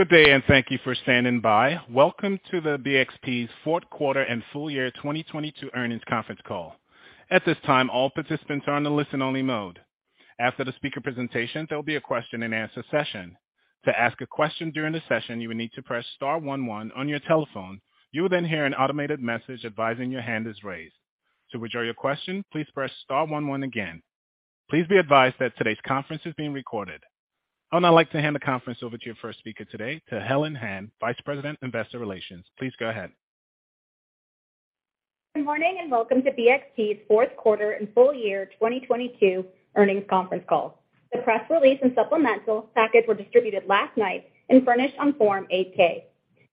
Good day. Thank you for standing by. Welcome to the BXP's Fourth Quarter and Full Year 2022 Earnings Conference Call. At this time, all participants are on the listen-only mode. After the speaker presentation, there will be a question-and-answer session. To ask a question during the session, you will need to press star one one on your telephone. You will hear an automated message advising your hand is raised. To withdraw your question, please press star one one again. Please be advised that today's conference is being recorded. I would now like to hand the conference over to your first speaker today, to Helen Han, Vice President, Investor Relations. Please go ahead. Good morning, and welcome to BXP's fourth quarter and full year 2022 earnings conference call. The press release and supplemental package were distributed last night and furnished on Form 8-K.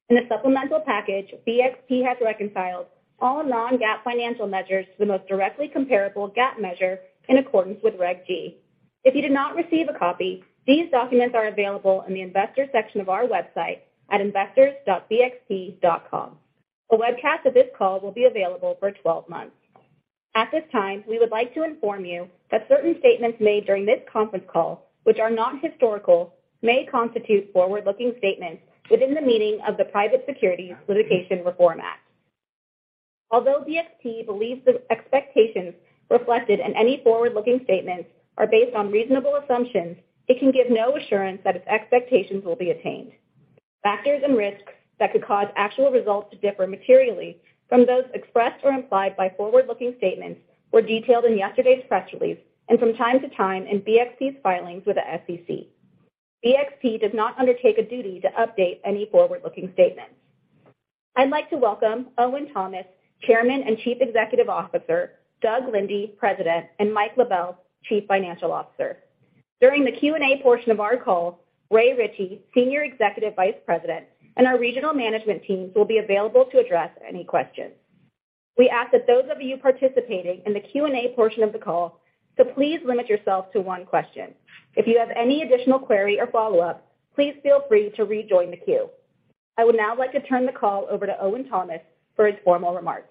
In the supplemental package, BXP has reconciled all non-GAAP financial measures to the most directly comparable GAAP measure in accordance with Regulation G. If you did not receive a copy, these documents are available in the Investors section of our website at investors.bxp.com. A webcast of this call will be available for 12 months. At this time, we would like to inform you that certain statements made during this conference call, which are not historical, may constitute forward-looking statements within the meaning of the Private Securities Litigation Reform Act. Although BXP believes the expectations reflected in any forward-looking statements are based on reasonable assumptions, it can give no assurance that its expectations will be attained. Factors and risks that could cause actual results to differ materially from those expressed or implied by forward-looking statements were detailed in yesterday's press release and from time to time in BXP's filings with the SEC. BXP does not undertake a duty to update any forward-looking statements. I'd like to welcome Owen Thomas, Chairman and Chief Executive Officer, Doug Linde, President, and Michael LaBelle, Chief Financial Officer. During the Q&A portion of our call, Raymond Ritchey, Senior Executive Vice President, and our regional management teams will be available to address any questions. We ask that those of you participating in the Q&A portion of the call to please limit yourself to one question. If you have any additional query or follow-up, please feel free to rejoin the queue. I would now like to turn the call over to Owen Thomas for his formal remarks.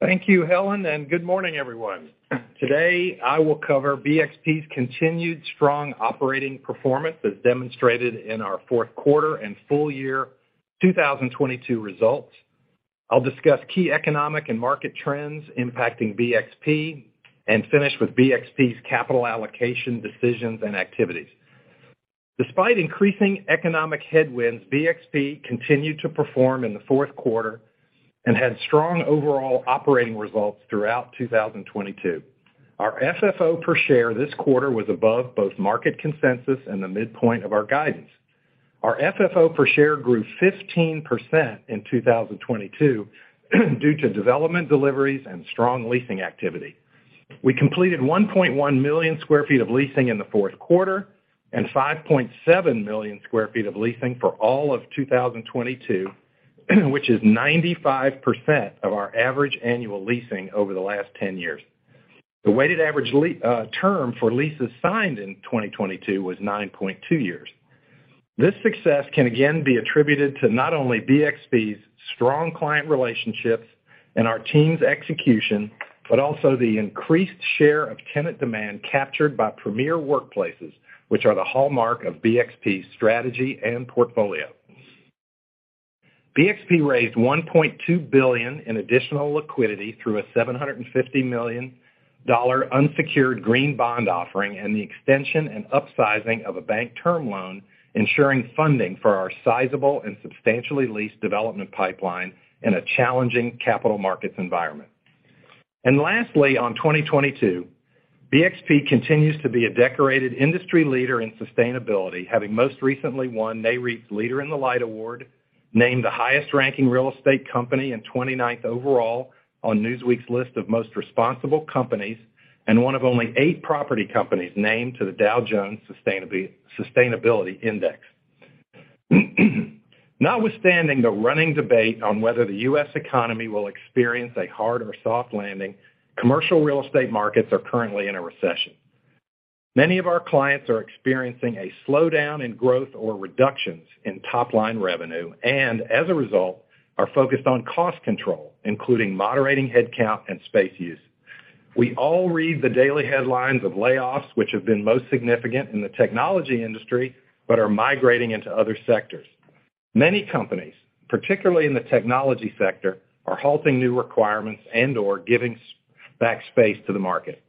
Thank you, Helen. Good morning, everyone. Today, I will cover BXP's continued strong operating performance as demonstrated in our fourth quarter and full year 2022 results. I'll discuss key economic and market trends impacting BXP and finish with BXP's capital allocation decisions and activities. Despite increasing economic headwinds, BXP continued to perform in the fourth quarter and had strong overall operating results throughout 2022. Our FFO per share this quarter was above both market consensus and the midpoint of our guidance. Our FFO per share grew 15% in 2022 due to development deliveries and strong leasing activity. We completed 1.1 million sq ft of leasing in the fourth quarter and 5.7 million sq ft of leasing for all of 2022 which is 95% of our average annual leasing over the last 10 years. The weighted average term for leases signed in 2022 was 9.2 years. This success can again be attributed to not only BXP's strong client relationships and our team's execution, but also the increased share of tenant demand captured by Premier Workplaces, which are the hallmark of BXP's strategy and portfolio. BXP raised $1.2 billion in additional liquidity through a $750 million unsecured green bond offering and the extension and upsizing of a bank term loan, ensuring funding for our sizable and substantially leased development pipeline in a challenging capital markets environment. Lastly, on 2022, BXP continues to be a decorated industry leader in sustainability, having most recently won Nareit's Leader in the Light award, named the highest-ranking real estate company and 29th overall on Newsweek's list of Most Responsible Companies, and one of only eight property companies named to the Dow Jones Sustainability Index. Notwithstanding the running debate on whether the U.S. economy will experience a hard or soft landing, commercial real estate markets are currently in a recession. Many of our clients are experiencing a slowdown in growth or reductions in top-line revenue and, as a result, are focused on cost control, including moderating headcount and space use. We all read the daily headlines of layoffs, which have been most significant in the technology industry but are migrating into other sectors. Many companies, particularly in the technology sector, are halting new requirements and/or giving back space to the market.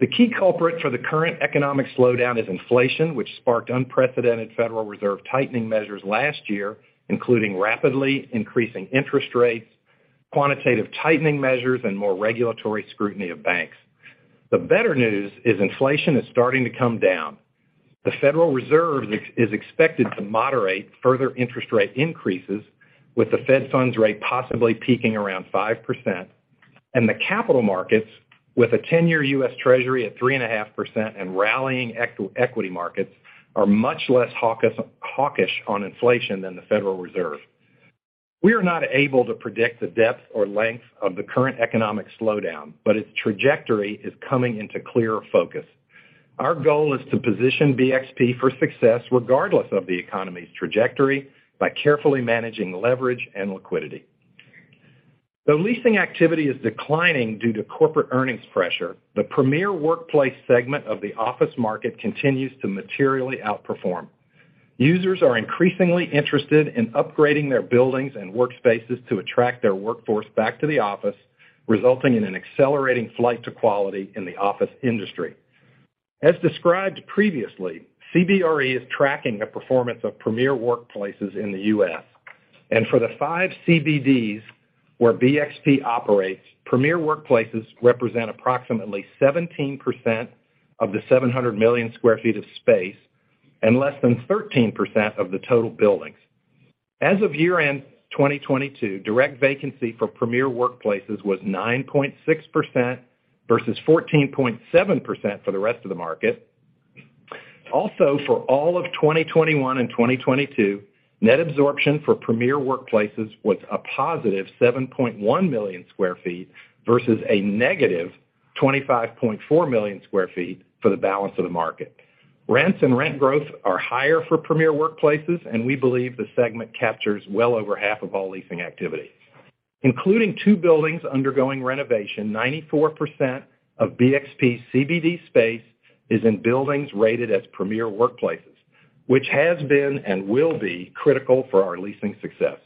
The key culprit for the current economic slowdown is inflation, which sparked unprecedented Federal Reserve tightening measures last year, including rapidly increasing interest rates, quantitative tightening measures, and more regulatory scrutiny of banks. The better news is inflation is starting to come down. The Federal Reserve is expected to moderate further interest rate increases, with the Fed funds rate possibly peaking around 5%. The capital markets, with a 10-year U.S. Treasury at 3.5% and rallying equity markets, are much less hawkish on inflation than the Federal Reserve. We are not able to predict the depth or length of the current economic slowdown, but its trajectory is coming into clearer focus. Our goal is to position BXP for success regardless of the economy's trajectory by carefully managing leverage and liquidity. The leasing activity is declining due to corporate earnings pressure. The Premier Workplace segment of the office market continues to materially outperform. Users are increasingly interested in upgrading their buildings and workspaces to attract their workforce back to the office, resulting in an accelerating flight to quality in the office industry. As described previously, CBRE is tracking the performance of Premier Workplaces in the U.S. For the five CBDs where BXP operates, Premier Workplaces represent approximately 17% of the 700 million sq ft of space and less than 13% of the total buildings. As of year-end 2022, direct vacancy for Premier Workplaces was 9.6% versus 14.7% for the rest of the market. For all of 2021 and 2022, net absorption for Premier Workplaces was a positive 7.1 million sq ft versus a negative 25.4 million sq ft for the balance of the market. Rents and rent growth are higher for Premier Workplaces, and we believe the segment captures well over half of all leasing activities. Including two buildings undergoing renovation, 94% of BXP CBD space is in buildings rated as Premier Workplaces, which has been and will be critical for our leasing success.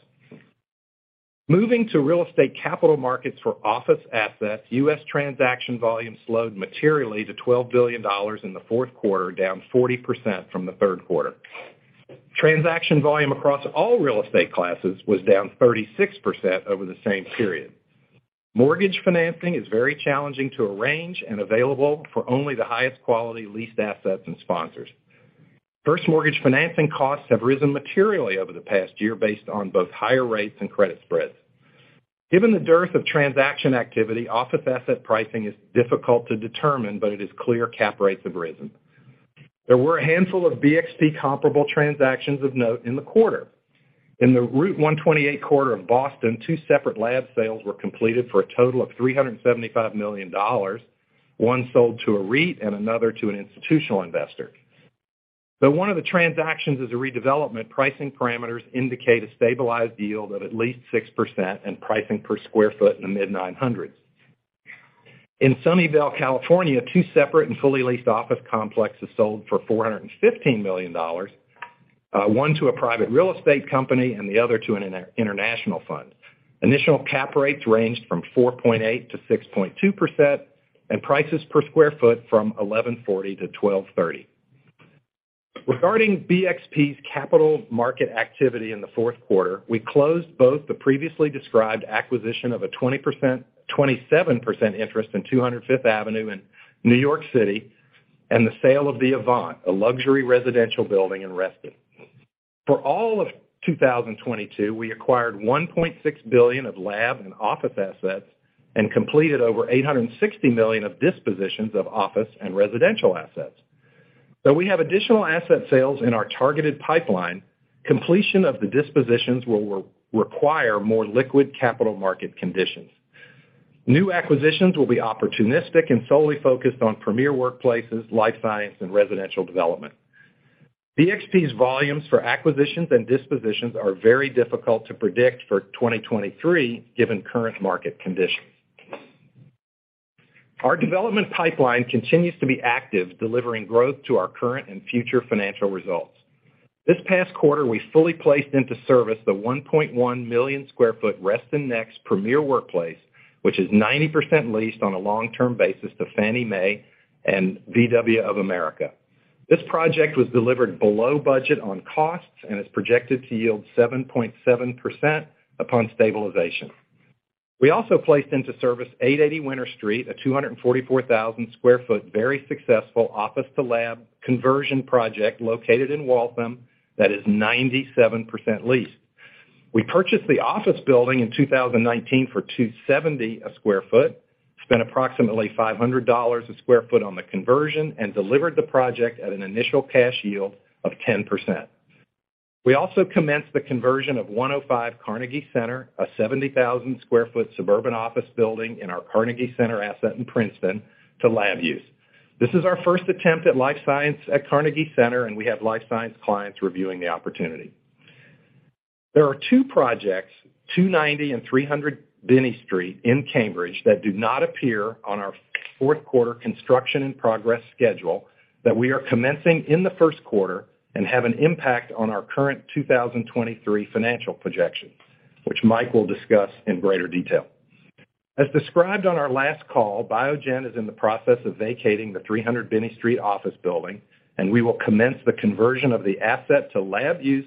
Moving to real estate capital markets for office assets, U.S. transaction volume slowed materially to $12 billion in the fourth quarter, down 40% from the third quarter. Transaction volume across all real estate classes was down 36% over the same period. Mortgage financing is very challenging to arrange and available for only the highest quality leased assets and sponsors. First mortgage financing costs have risen materially over the past year based on both higher rates and credit spreads. Given the dearth of transaction activity, office asset pricing is difficult to determine, but it is clear cap rates have risen. There were a handful of BXP comparable transactions of note in the quarter. In the Route 128 corridor in Boston, two separate lab sales were completed for a total of $375 million, one sold to a REIT and another to an institutional investor. Though one of the transactions is a redevelopment, pricing parameters indicate a stabilized yield of at least 6% and pricing per square foot in the mid $900s. In Sunnyvale, California, two separate and fully leased office complexes sold for $415 million, one to a private real estate company and the other to an international fund. Initial cap rates ranged from 4.8%-6.2% and prices per square foot from $1,140-1,230. Regarding BXP's capital market activity in the fourth quarter, we closed both the previously described acquisition of a 27% interest in 200 Fifth Avenue in New York City and the sale of The Avant, a luxury residential building in Reston. For all of 2022, we acquired $1.6 billion of lab and office assets and completed over $860 million of dispositions of office and residential assets. Though we have additional asset sales in our targeted pipeline, completion of the dispositions will re-require more liquid capital market conditions. New acquisitions will be opportunistic and solely focused on Premier Workplaces, life science, and residential development. BXP's volumes for acquisitions and dispositions are very difficult to predict for 2023 given current market conditions. Our development pipeline continues to be active, delivering growth to our current and future financial results. This past quarter, we fully placed into service the 1.1 million square foot Reston Next Premier Workplace, which is 90% leased on a long-term basis to Fannie Mae and VW of America. This project was delivered below budget on costs and is projected to yield 7.7% upon stabilization. We also placed into service 880 Winter Street, a 244,000 sq ft, very successful Office-to-Lab Conversion project located in Waltham that is 97% leased. We purchased the office building in 2019 for $270 a sq ft, spent approximately $500 a sq ft on the conversion, and delivered the project at an initial cash yield of 10%. We also commenced the conversion of 105 Carnegie Center, a 70,000 sq ft suburban office building in our Carnegie Center asset in Princeton, to lab use. This is our first attempt at life science at Carnegie Center, we have life science clients reviewing the opportunity. There are two projects, 290 and 300 Binney Street in Cambridge, that do not appear on our fourth quarter construction and progress schedule that we are commencing in the first quarter and have an impact on our current 2023 financial projections, which Mike will discuss in greater detail. As described on our last call, Biogen is in the process of vacating the 300 Binney Street office building, and we will commence the conversion of the asset to lab use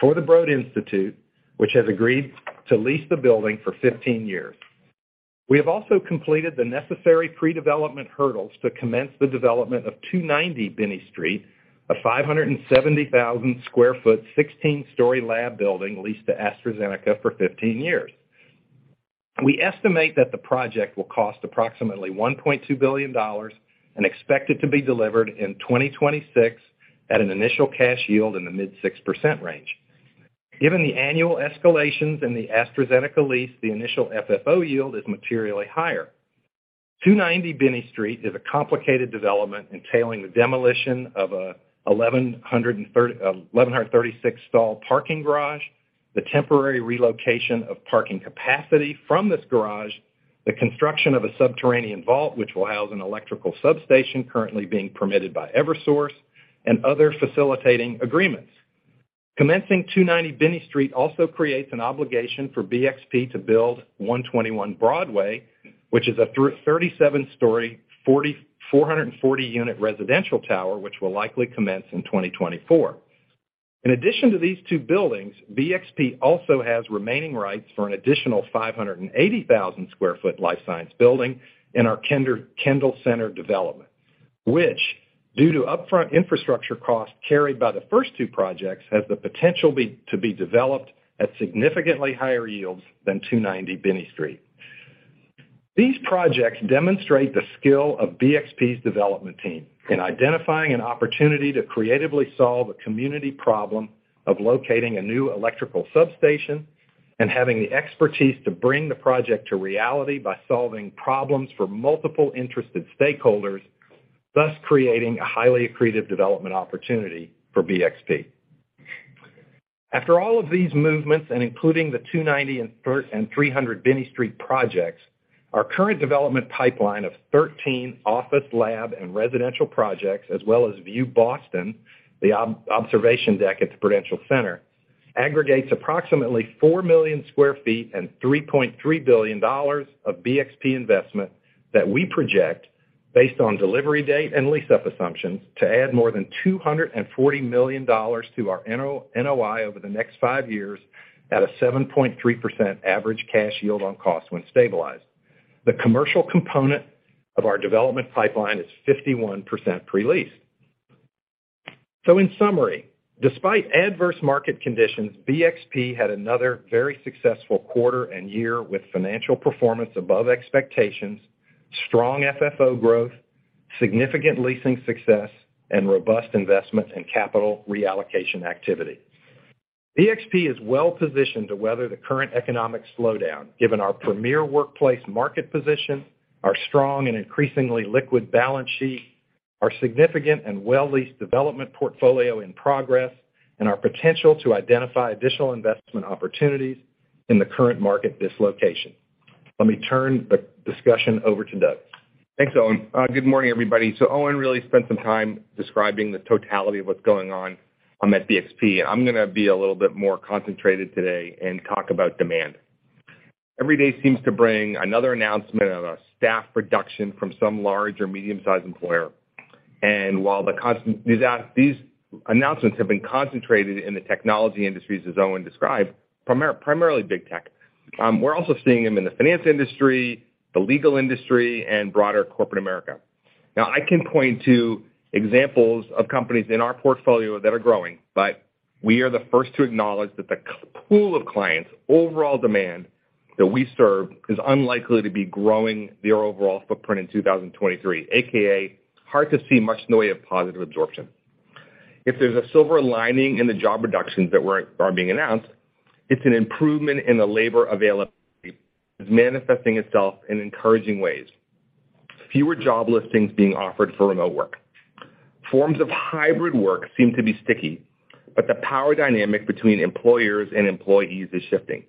for the Broad Institute, which has agreed to lease the building for 15 years. We have also completed the necessary pre-development hurdles to commence the development of 290 Binney Street, a 570,000 sq ft, 16-story lab building leased to AstraZeneca for 15 years. We estimate that the project will cost approximately $1.2 billion and expect it to be delivered in 2026 at an initial cash yield in the mid 6% range. Given the annual escalations in the AstraZeneca lease, the initial FFO yield is materially higher. 290 Binney Street is a complicated development entailing the demolition of a 1,136 stall parking garage, the temporary relocation of parking capacity from this garage, the construction of a subterranean vault, which will house an electrical substation currently being permitted by Eversource, and other facilitating agreements. Commencing 290 Binney Street also creates an obligation for BXP to build 121 Broadway, which is a 37-story, 440 unit residential tower, which will likely commence in 2024. In addition to these two buildings, BXP also has remaining rights for an additional 580,000 sq ft life science building in our Kendall Center development, which, due to upfront infrastructure costs carried by the first two projects, has the potential to be developed at significantly higher yields than 290 Binney Street. These projects demonstrate the skill of BXP's development team in identifying an opportunity to creatively solve a community problem of locating a new electrical substation and having the expertise to bring the project to reality by solving problems for multiple interested stakeholders, thus creating a highly accretive development opportunity for BXP. After all of these movements, including the 290 and 300 Binney Street projects, our current development pipeline of 13 office lab and residential projects as well as View Boston, the observation deck at the Prudential Center, aggregates approximately 4 million sq ft and $3.3 billion of BXP investment that we project based on delivery date and lease-up assumptions to add more than $240 million to our NOI over the next five years at a 7.3% average cash yield on costs when stabilized. The commercial component of our development pipeline is 51% pre-leased. In summary, despite adverse market conditions, BXP had another very successful quarter and year with financial performance above expectations, strong FFO growth, significant leasing success, and robust investments in capital reallocation activity. BXP is well positioned to weather the current economic slowdown given our Premier Workplace market position, our strong and increasingly liquid balance sheet, our significant and well-leased development portfolio in progress, and our potential to identify additional investment opportunities in the current market dislocation. Let me turn the discussion over to Doug. Thanks, Owen. Good morning, everybody. Owen really spent some time describing the totality of what's going on at BXP. I'm gonna be a little bit more concentrated today and talk about demand. While the constant these announcements have been concentrated in the technology industries, as Owen described, primarily big tech, we're also seeing them in the finance industry, the legal industry, and broader corporate America. Now I can point to examples of companies in our portfolio that are growing, but we are the first to acknowledge that the pool of clients, overall demand that we serve is unlikely to be growing their overall footprint in 2023, AKA, hard to see much NOI of positive absorption. If there's a silver lining in the job reductions that are being announced, it's an improvement in the labor availability is manifesting itself in encouraging ways. Fewer job listings being offered for remote work. Forms of hybrid work seem to be sticky, but the power dynamic between employers and employees is shifting.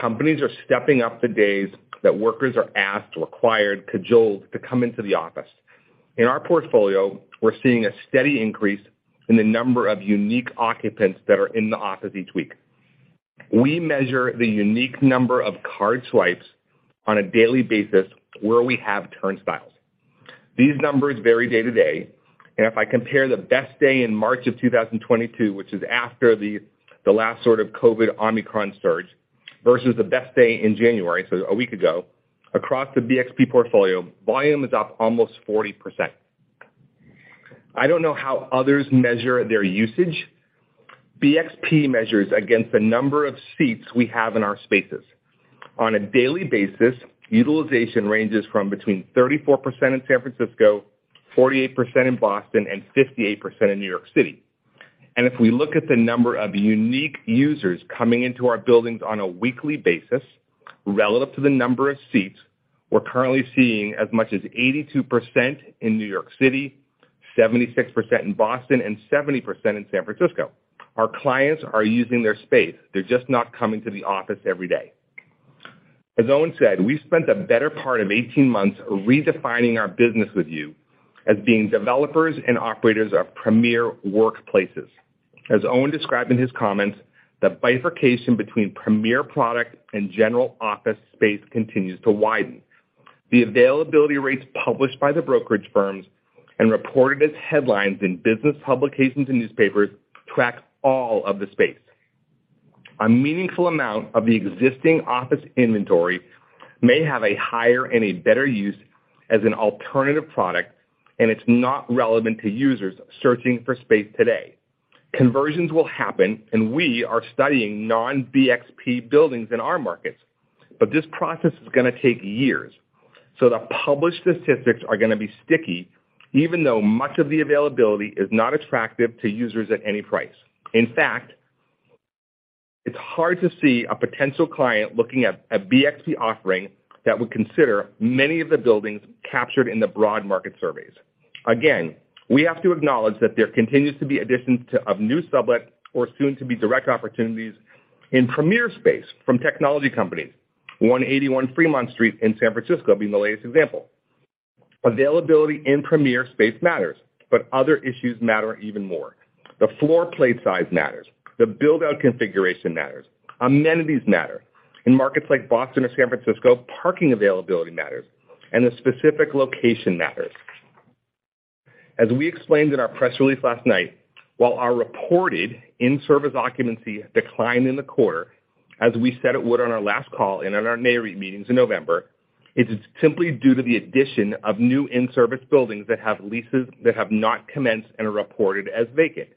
Companies are stepping up the days that workers are asked or acquired cajoled to come into the office. In our portfolio, we're seeing a steady increase in the number of unique occupants that are in the office each week. We measure the unique number of card swipes on a daily basis where we have turnstiles. These numbers vary day to day. If I compare the best day in March of 2022, which is after the last sort of COVID Omicron surge, versus the best day in January, so a week ago, across the BXP portfolio, volume is up almost 40%. I don't know how others measure their usage. BXP measures against the number of seats we have in our spaces. On a daily basis, utilization ranges from between 34% in San Francisco, 48% in Boston, and 58% in New York City. If we look at the number of unique users coming into our buildings on a weekly basis relative to the number of seats, we're currently seeing as much as 82% in New York City, 76% in Boston, and 70% in San Francisco. Our clients are using their space. They're just not coming to the office every day. As Owen said, we've spent the better part of 18 months redefining our business with you as being developers and operators of Premier Workplaces. As Owen described in his comments, the bifurcation between Premier product and general office space continues to widen. The availability rates published by the brokerage firms and reported as headlines in business publications and newspapers track all of the space. A meaningful amount of the existing office inventory may have a higher any better use as an alternative product, and it's not relevant to users searching for space today. Conversions will happen, and we are studying non-BXP buildings in our markets, but this process is gonna take years. The published statistics are gonna be sticky even though much of the availability is not attractive to users at any price. It's hard to see a potential client looking at a BXP offering that would consider many of the buildings captured in the broad market surveys. We have to acknowledge that there continues to be additions of new sublet or soon-to-be direct opportunities in premier space from technology companies. 181 Fremont Street in San Francisco being the latest example. Availability in premier space matters, but other issues matter even more. The floor plate size matters. The build-out configuration matters. Amenities matter. In markets like Boston or San Francisco, parking availability matters, and the specific location matters. As we explained in our press release last night, while our reported in-service occupancy declined in the quarter, as we said it would on our last call and at our Nareit meetings in November, it's simply due to the addition of new in-service buildings that have leases that have not commenced and are reported as vacant.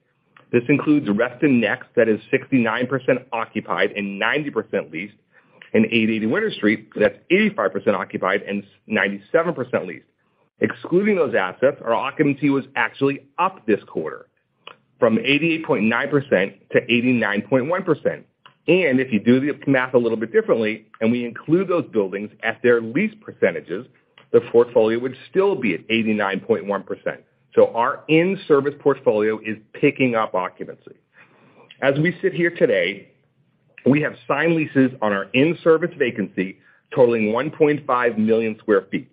This includes Reston Next that is 69% occupied and 90% leased, and 880 Winter Street that's 85% occupied and 97% leased. Excluding those assets, our occupancy was actually up this quarter from 88.9%-89.1%. If you do the math a little bit differently, and we include those buildings at their lease percentages, the portfolio would still be at 89.1%. Our in-service portfolio is picking up occupancy. As we sit here today, we have signed leases on our in-service vacancy totaling 1.5 million sq ft.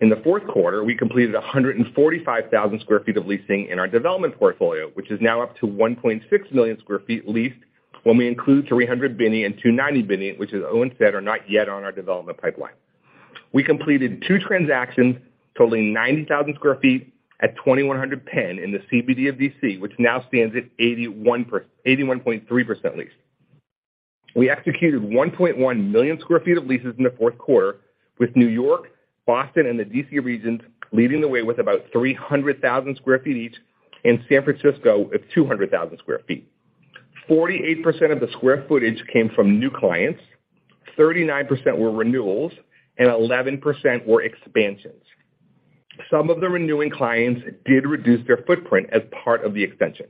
In the fourth quarter, we completed 145,000 sq ft of leasing in our development portfolio, which is now up to 1.6 million sq ft leased when we include 300 Binney and 290 Binney, which, as Owen said, are not yet on our development pipeline. We completed two transactions totaling 90,000 sq ft at 2100 Penn in the CBD of D.C., which now stands at 81.3% leased. We executed 1.1 million sq ft of leases in the fourth quarter with New York, Boston, and the D.C. regions leading the way with about 300,000 sq ft each and San Francisco at 200,000 sq ft. 48% of the square footage came from new clients, 39% were renewals, and 11% were expansions. Some of the renewing clients did reduce their footprint as part of the extension.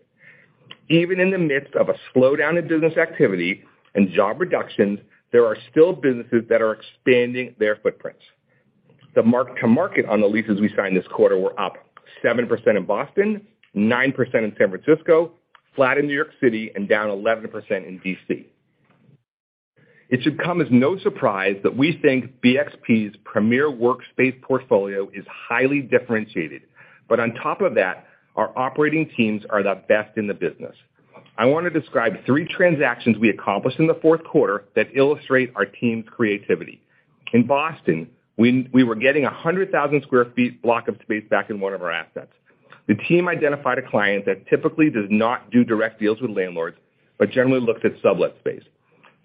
Even in the midst of a slowdown in business activity and job reductions, there are still businesses that are expanding their footprints. The mark-to-market on the leases we signed this quarter were up 7% in Boston, 9% in San Francisco, flat in New York City, and down 11% in D.C. It should come as no surprise that we think BXP's Premier Workplace portfolio is highly differentiated, but on top of that, our operating teams are the best in the business. I wanna describe three transactions we accomplished in the fourth quarter that illustrate our team's creativity. In Boston, we were getting 100,000 sq ft block of space back in one of our assets. The team identified a client that typically does not do direct deals with landlords, but generally looked at sublet space.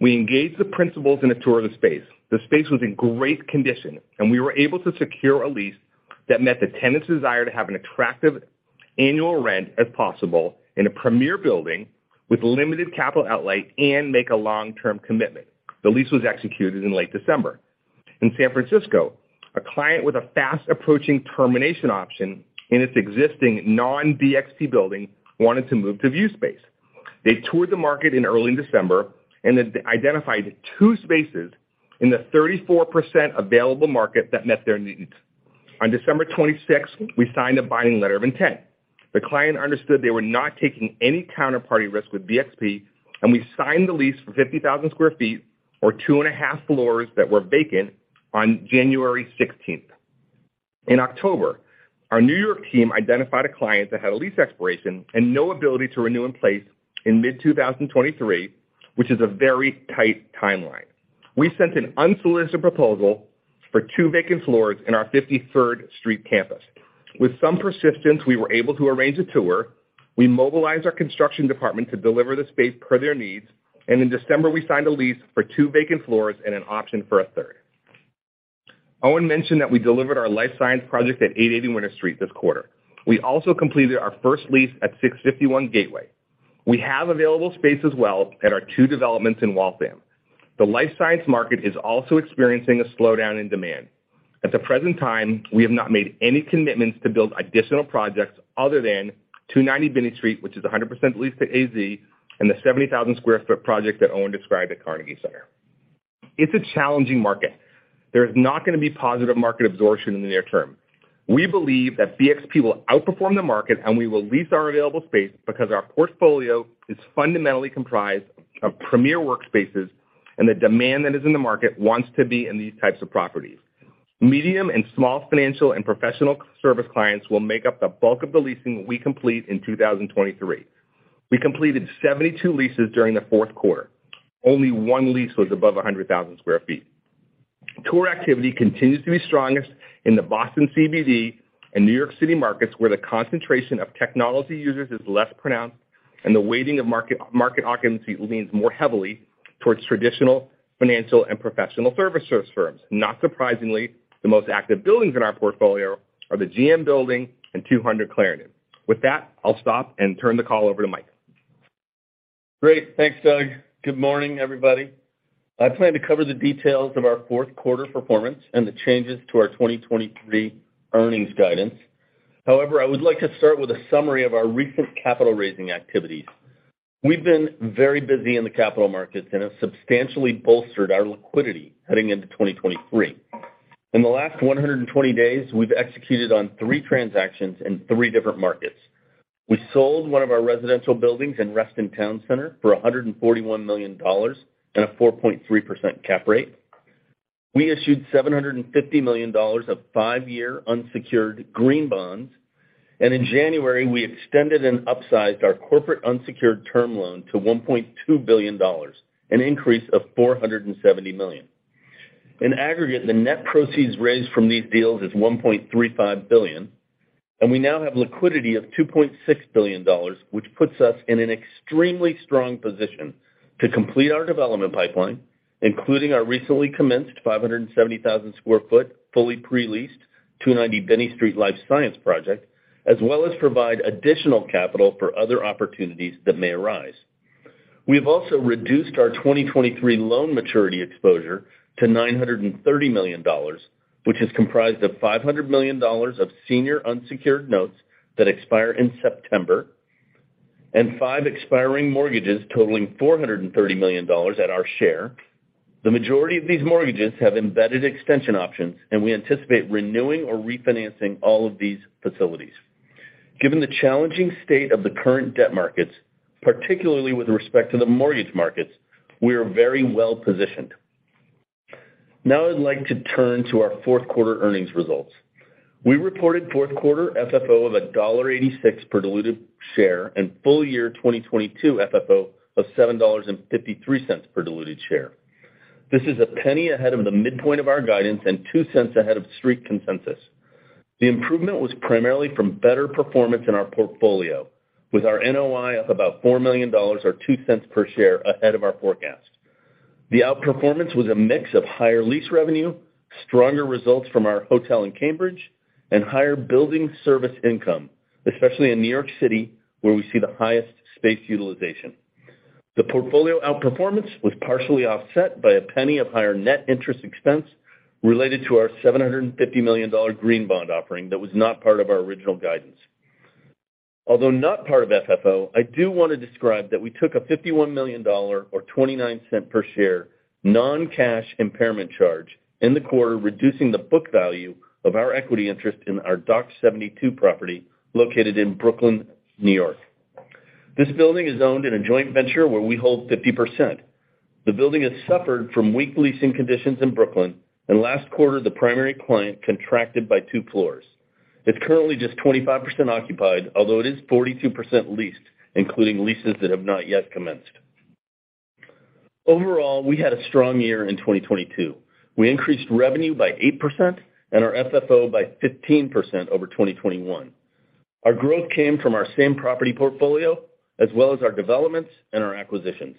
We engaged the principals in a tour of the space. The space was in great condition, and we were able to secure a lease that met the tenant's desire to have an attractive annual rent as possible in a premier building with limited capital outlay and make a long-term commitment. The lease was executed in late December. In San Francisco, a client with a fast approaching termination option in its existing non-BXP building wanted to move to Viewspace. They toured the market in early December and identified two spaces in the 34% available market that met their needs. On December 26th, we signed a binding letter of intent. The client understood they were not taking any counterparty risk with BXP, and we signed the lease for 50,000 sq ft or 2.5 floors that were vacant on January 16th. In October, our New York team identified a client that had a lease expiration and no ability to renew in place in mid-2023, which is a very tight timeline. We sent an unsolicited proposal for two vacant floors in our 53rd Street campus. With some persistence, we were able to arrange a tour. We mobilized our construction department to deliver the space per their needs, and in December, we signed a lease for two vacant floors and an option for a third. Owen mentioned that we delivered our life science project at 880 Winter Street this quarter. We also completed our first lease at 651 Gateway. We have available space as well at our two developments in Waltham. The life science market is also experiencing a slowdown in demand. At the present time, we have not made any commitments to build additional projects other than 290 Binney Street, which is 100% leased to AZ, and the 70,000 sq ft project that Owen described at Carnegie Center. It's a challenging market. There's not gonna be positive market absorption in the near term. We believe that BXP will outperform the market, and we will lease our available space because our portfolio is fundamentally comprised of Premier Workplace, and the demand that is in the market wants to be in these types of properties. Medium and small financial and professional service clients will make up the bulk of the leasing we complete in 2023. We completed 72 leases during the fourth quarter. Only one lease was above 100,000 sq ft. Tour activity continues to be strongest in the Boston CBD and New York City markets, where the concentration of technology users is less pronounced and the weighting of market occupancy leans more heavily towards traditional financial and professional service firms. Not surprisingly, the most active buildings in our portfolio are the GM Building and Two Hundred Clarendon. With that, I'll stop and turn the call over to Mike. Great. Thanks, Doug. Good morning, everybody. I plan to cover the details of our fourth quarter performance and the changes to our 2023 earnings guidance. However, I would like to start with a summary of our recent capital raising activities. We've been very busy in the capital markets and have substantially bolstered our liquidity heading into 2023. In the last 120 days, we've executed on three transactions in three different markets. We sold one of our residential buildings in Reston Town Center for $141 million and a 4.3% cap rate. We issued $750 million of five-year unsecured green bonds, and in January, we extended and upsized our corporate unsecured term loan to $1.2 billion, an increase of 470 million. In aggregate, the net proceeds raised from these deals is $1.35 billion, we now have liquidity of $2.6 billion, which puts us in an extremely strong position to complete our development pipeline, including our recently commenced 570,000 sq ft, fully pre-leased 290 Binney Street life science project, as well as provide additional capital for other opportunities that may arise. We have also reduced our 2023 loan maturity exposure to $930 million, which is comprised of $500 million of senior unsecured notes that expire in September, and five expiring mortgages totaling $430 million at our share. The majority of these mortgages have embedded extension options, we anticipate renewing or refinancing all of these facilities. Given the challenging state of the current debt markets, particularly with respect to the mortgage markets, we are very well positioned. I'd like to turn to our fourth quarter earnings results. We reported fourth quarter FFO of $1.86 per diluted share and full year 2022 FFO of $7.53 per diluted share. This is $0.01 ahead of the midpoint of our guidance and $0.02 ahead of Street Consensus. The improvement was primarily from better performance in our portfolio, with our NOI up about $4 million or 0.02 per share ahead of our forecast. The outperformance was a mix of higher lease revenue, stronger results from our hotel in Cambridge, and higher building service income, especially in New York City, where we see the highest space utilization. The portfolio outperformance was partially offset by $0.01 of higher net interest expense related to our $750 million green bond offering that was not part of our original guidance. Although not part of FFO, I do want to describe that we took a $51 million or 0.29 per share non-cash impairment charge in the quarter, reducing the book value of our equity interest in our Dock 72 property located in Brooklyn, New York. This building is owned in a joint venture where we hold 50%. The building has suffered from weak leasing conditions in Brooklyn, and last quarter, the primary client contracted by two floors. It's currently just 25% occupied, although it is 42% leased, including leases that have not yet commenced. Overall, we had a strong year in 2022. We increased revenue by 8% and our FFO by 15% over 2021. Our growth came from our same property portfolio as well as our developments and our acquisitions.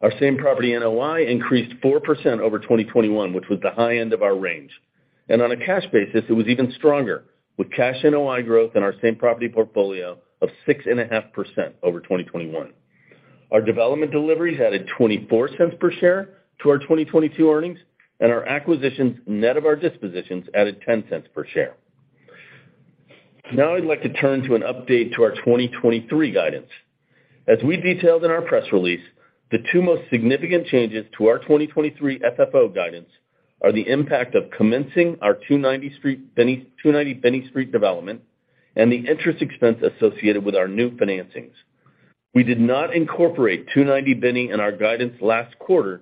Our same property NOI increased 4% over 2021, which was the high end of our range. On a cash basis, it was even stronger, with cash NOI growth in our same property portfolio of 6.5% over 2021. Our development deliveries added $0.24 per share to our 2022 earnings, and our acquisitions, net of our dispositions, added $0.10 per share. I'd like to turn to an update to our 2023 guidance. As we detailed in our press release, the two most significant changes to our 2023 FFO guidance are the impact of commencing our 290 Binney Street development and the interest expense associated with our new financings. We did not incorporate 290 Binney in our guidance last quarter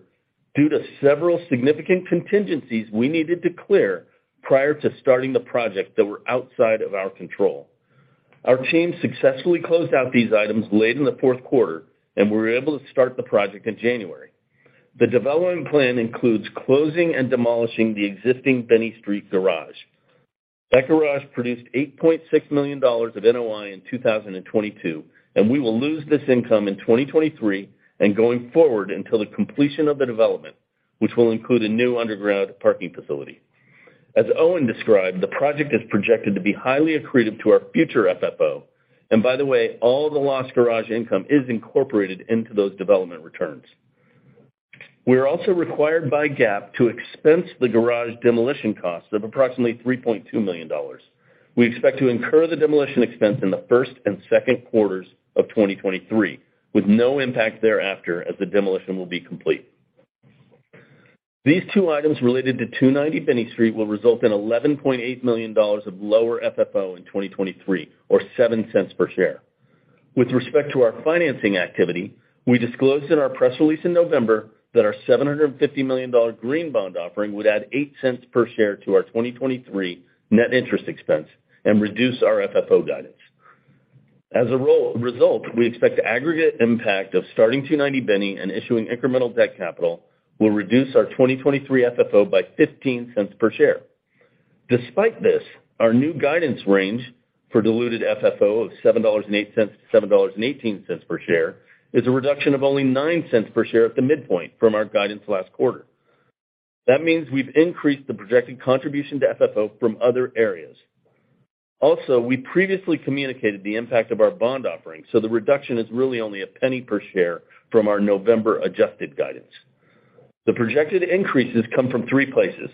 due to several significant contingencies we needed to clear prior to starting the project that were outside of our control. Our team successfully closed out these items late in the fourth quarter, and we were able to start the project in January. The development plan includes closing and demolishing the existing Binney Street garage. That garage produced $8.6 million of NOI in 2022, and we will lose this income in 2023 and going forward until the completion of the development, which will include a new underground parking facility. As Owen described, the project is projected to be highly accretive to our future FFO. By the way, all the lost garage income is incorporated into those development returns. We are also required by GAAP to expense the garage demolition cost of approximately $3.2 million. We expect to incur the demolition expense in the first and second quarters of 2023, with no impact thereafter as the demolition will be complete. These two items related to 290 Binney Street will result in $11.8 million of lower FFO in 2023 or $0.07 per share. With respect to our financing activity, we disclosed in our press release in November that our $750 million green bond offering would add $0.08 per share to our 2023 net interest expense and reduce our FFO guidance. As a result, we expect the aggregate impact of starting 290 Binney and issuing incremental debt capital will reduce our 2023 FFO by $0.15 per share. Despite this, our new guidance range for diluted FFO of $7.08 to 7.18 per share is a reduction of only $0.09 per share at the midpoint from our guidance last quarter. That means we've increased the projected contribution to FFO from other areas. Also, we previously communicated the impact of our bond offering, so the reduction is really only a $0.01 per share from our November adjusted guidance. The projected increases come from three places.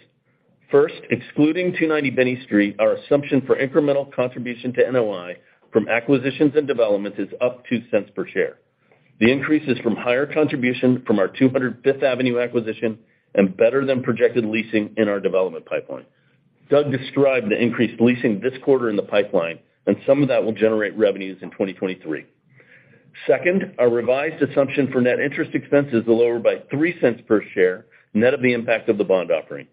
First, excluding 290 Binney Street, our assumption for incremental contribution to NOI from acquisitions and development is up $0.02 per share. The increase is from higher contribution from our 200 Fifth Avenue acquisition and better than projected leasing in our development pipeline. Doug described the increased leasing this quarter in the pipeline, some of that will generate revenues in 2023. Second, our revised assumption for net interest expense is lower by $0.03 per share, net of the impact of the bond offering.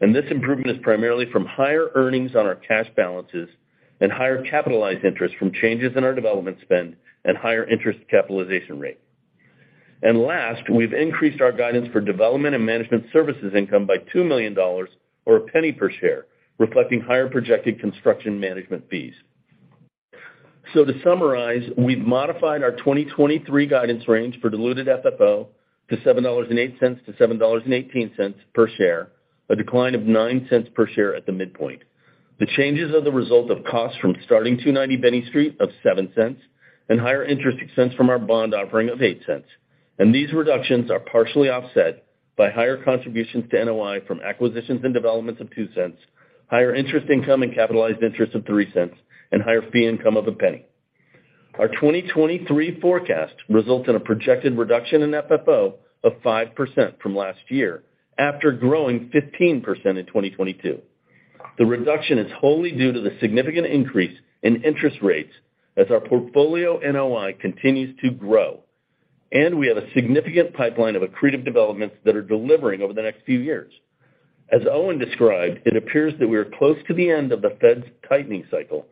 This improvement is primarily from higher earnings on our cash balances and higher capitalized interest from changes in our development spend and higher interest capitalization rate. Last, we've increased our guidance for development and management services income by $2 million or 0.01 per share, reflecting higher projected construction management fees. To summarize, we've modified our 2023 guidance range for diluted FFO to $7.08-7.18 per share, a decline of $0.09 per share at the midpoint. The changes are the result of costs from starting 290 Binney Street of $0.07 and higher interest expense from our bond offering of $0.08. These reductions are partially offset by higher contributions to NOI from acquisitions and developments of $0.02, higher interest income and capitalized interest of $0.03, and higher fee income of $0.01. Our 2023 forecast results in a projected reduction in FFO of 5% from last year after growing 15% in 2022. The reduction is wholly due to the significant increase in interest rates as our portfolio NOI continues to grow, and we have a significant pipeline of accretive developments that are delivering over the next few years. As Owen described, it appears that we are close to the end of the Fed's tightening cycle,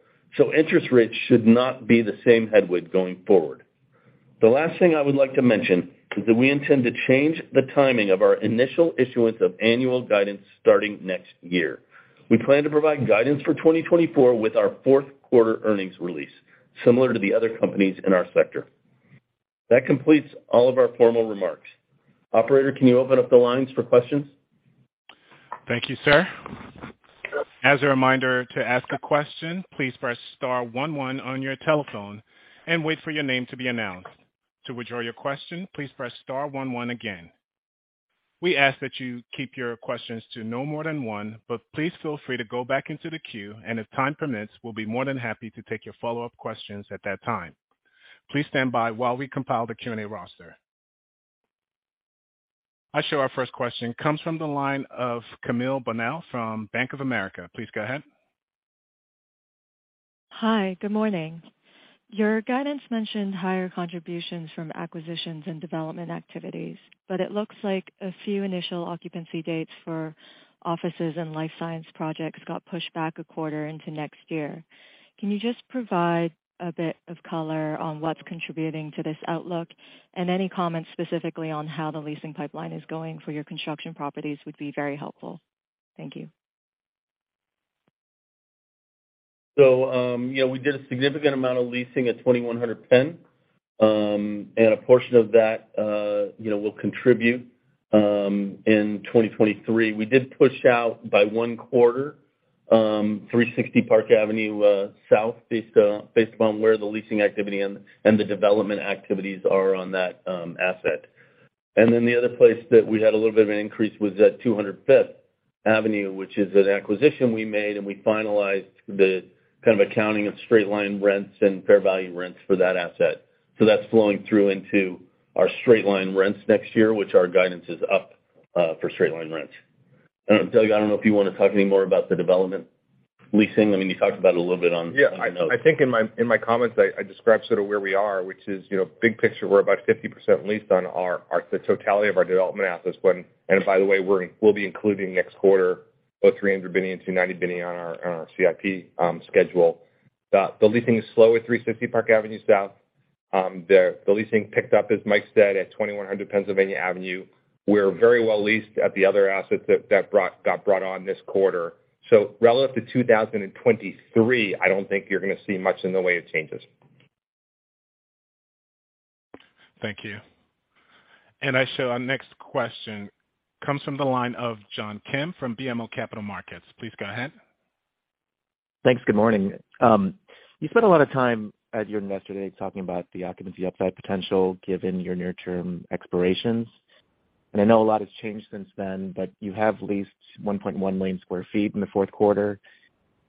interest rates should not be the same headwind going forward. The last thing I would like to mention is that we intend to change the timing of our initial issuance of annual guidance starting next year. We plan to provide guidance for 2024 with our fourth quarter earnings release, similar to the other companies in our sector. That completes all of our formal remarks. Operator, can you open up the lines for questions? Thank you, sir. As a reminder to ask a question, please press star one one on your telephone and wait for your name to be announced. To withdraw your question, please press star one one again. We ask that you keep your questions to no more than one, but please feel free to go back into the queue, and if time permits, we'll be more than happy to take your follow-up questions at that time. Please stand by while we compile the Q&A roster. I show our first question comes from the line of Camille Bonnel from Bank of America. Please go ahead. Hi. Good morning. Your guidance mentioned higher contributions from acquisitions and development activities. It looks like a few initial occupancy dates for offices and life science projects got pushed back a quarter into next year. Can you just provide a bit of color on what's contributing to this outlook? Any comments specifically on how the leasing pipeline is going for your construction properties would be very helpful. Thank you. Yeah, we did a significant amount of leasing at 2100 Penn, and a portion of that, you know, will contribute in 2023. We did push out by one quarter, 360 Park Avenue South, based upon where the leasing activity and the development activities are on that asset. The other place that we had a little bit of an increase was at 200 Fifth Avenue, which is an acquisition we made, and we finalized the kind of accounting of straight-line rents and fair value rents for that asset. That's flowing through into our straight-line rents next year, which our guidance is up for straight-line rents. Doug, I don't know if you want to talk any more about the development leasing. I mean, you talked about a little bit on the notes. Yeah, I think in my, in my comments I described sort of where we are, which is, you know, big picture we're about 50% leased on our totality of our development assets and by the way, we'll be including next quarter both 300 Binney and 290 Binney on our, on our CIP schedule. The leasing is slow at 360 Park Avenue South. The leasing picked up, as Mike said, at 2100 Pennsylvania Avenue. We're very well leased at the other assets that got brought on this quarter. Relative to 2023, I don't think you're gonna see much in the way of changes. Thank you. I show our next question comes from the line of John Kim from BMO Capital Markets. Please go ahead. Thanks. Good morning. You spent a lot of time at your Investor Day talking about the occupancy upside potential given your near term expirations. I know a lot has changed since then, but you have leased 1.1 million sq ft in the fourth quarter.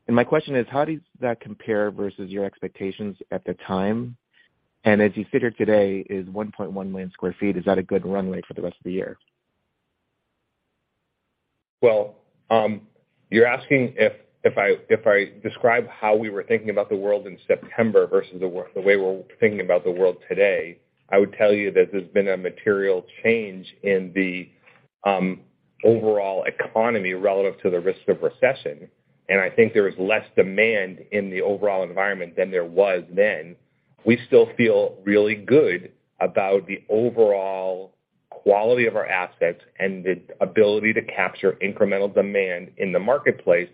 My question is, how does that compare versus your expectations at the time? As you sit here today is 1.1 million sq ft, is that a good runway for the rest of the year? You're asking if I describe how we were thinking about the world in September versus the way we're thinking about the world today, I would tell you that there's been a material change in the overall economy relative to the risk of recession. I think there is less demand in the overall environment than there was then. We still feel really good about the overall quality of our assets and the ability to capture incremental demand in the marketplace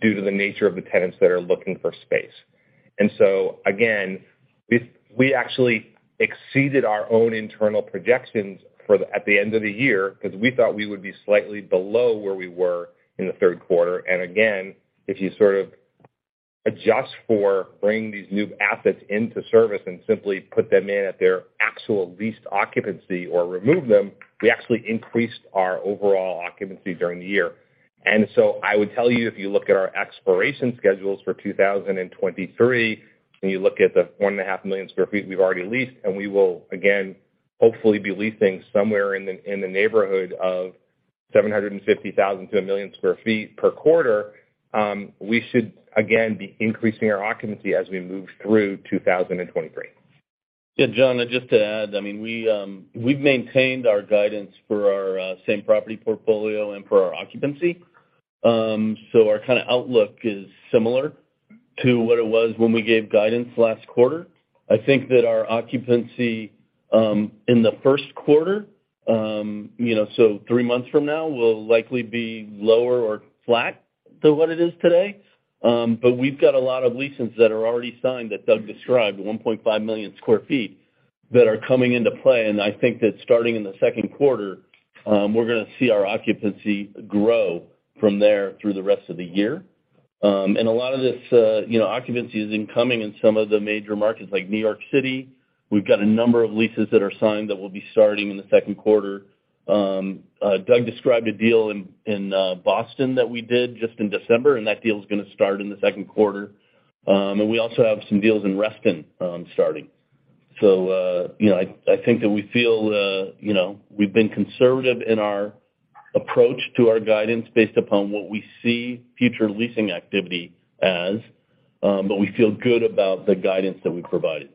due to the nature of the tenants that are looking for space. Again, we actually exceeded our own internal projections at the end of the year because we thought we would be slightly below where we were in the third quarter. Again, if you sort of adjust for bringing these new assets into service and simply put them in at their actual leased occupancy or remove them, we actually increased our overall occupancy during the year. I would tell you, if you look at our expiration schedules for 2023, and you look at the 1.5 million sq ft we've already leased, and we will again hopefully be leasing somewhere in the neighborhood of 750,000 to 1 million sq ft per quarter, we should again be increasing our occupancy as we move through 2023. Yeah, John, just to add, I mean, we've maintained our guidance for our same property portfolio and for our occupancy. Our kinda outlook is similar to what it was when we gave guidance last quarter. I think that our occupancy in the first quarter, you know, three months from now, will likely be lower or flat to what it is today. We've got a lot of leases that are already signed that Doug described, the 1.5 million sq ft, that are coming into play. I think that starting in the second quarter, we're gonna see our occupancy grow from there through the rest of the year. A lot of this, you know, occupancy is incoming in some of the major markets like New York City. We've got a number of leases that are signed that will be starting in the second quarter. Doug described a deal in Boston that we did just in December, and that deal is gonna start in the second quarter. We also have some deals in Reston, starting. You know, I think that we feel, you know, we've been conservative in our approach to our guidance based upon what we see future leasing activity as, but we feel good about the guidance that we've provided.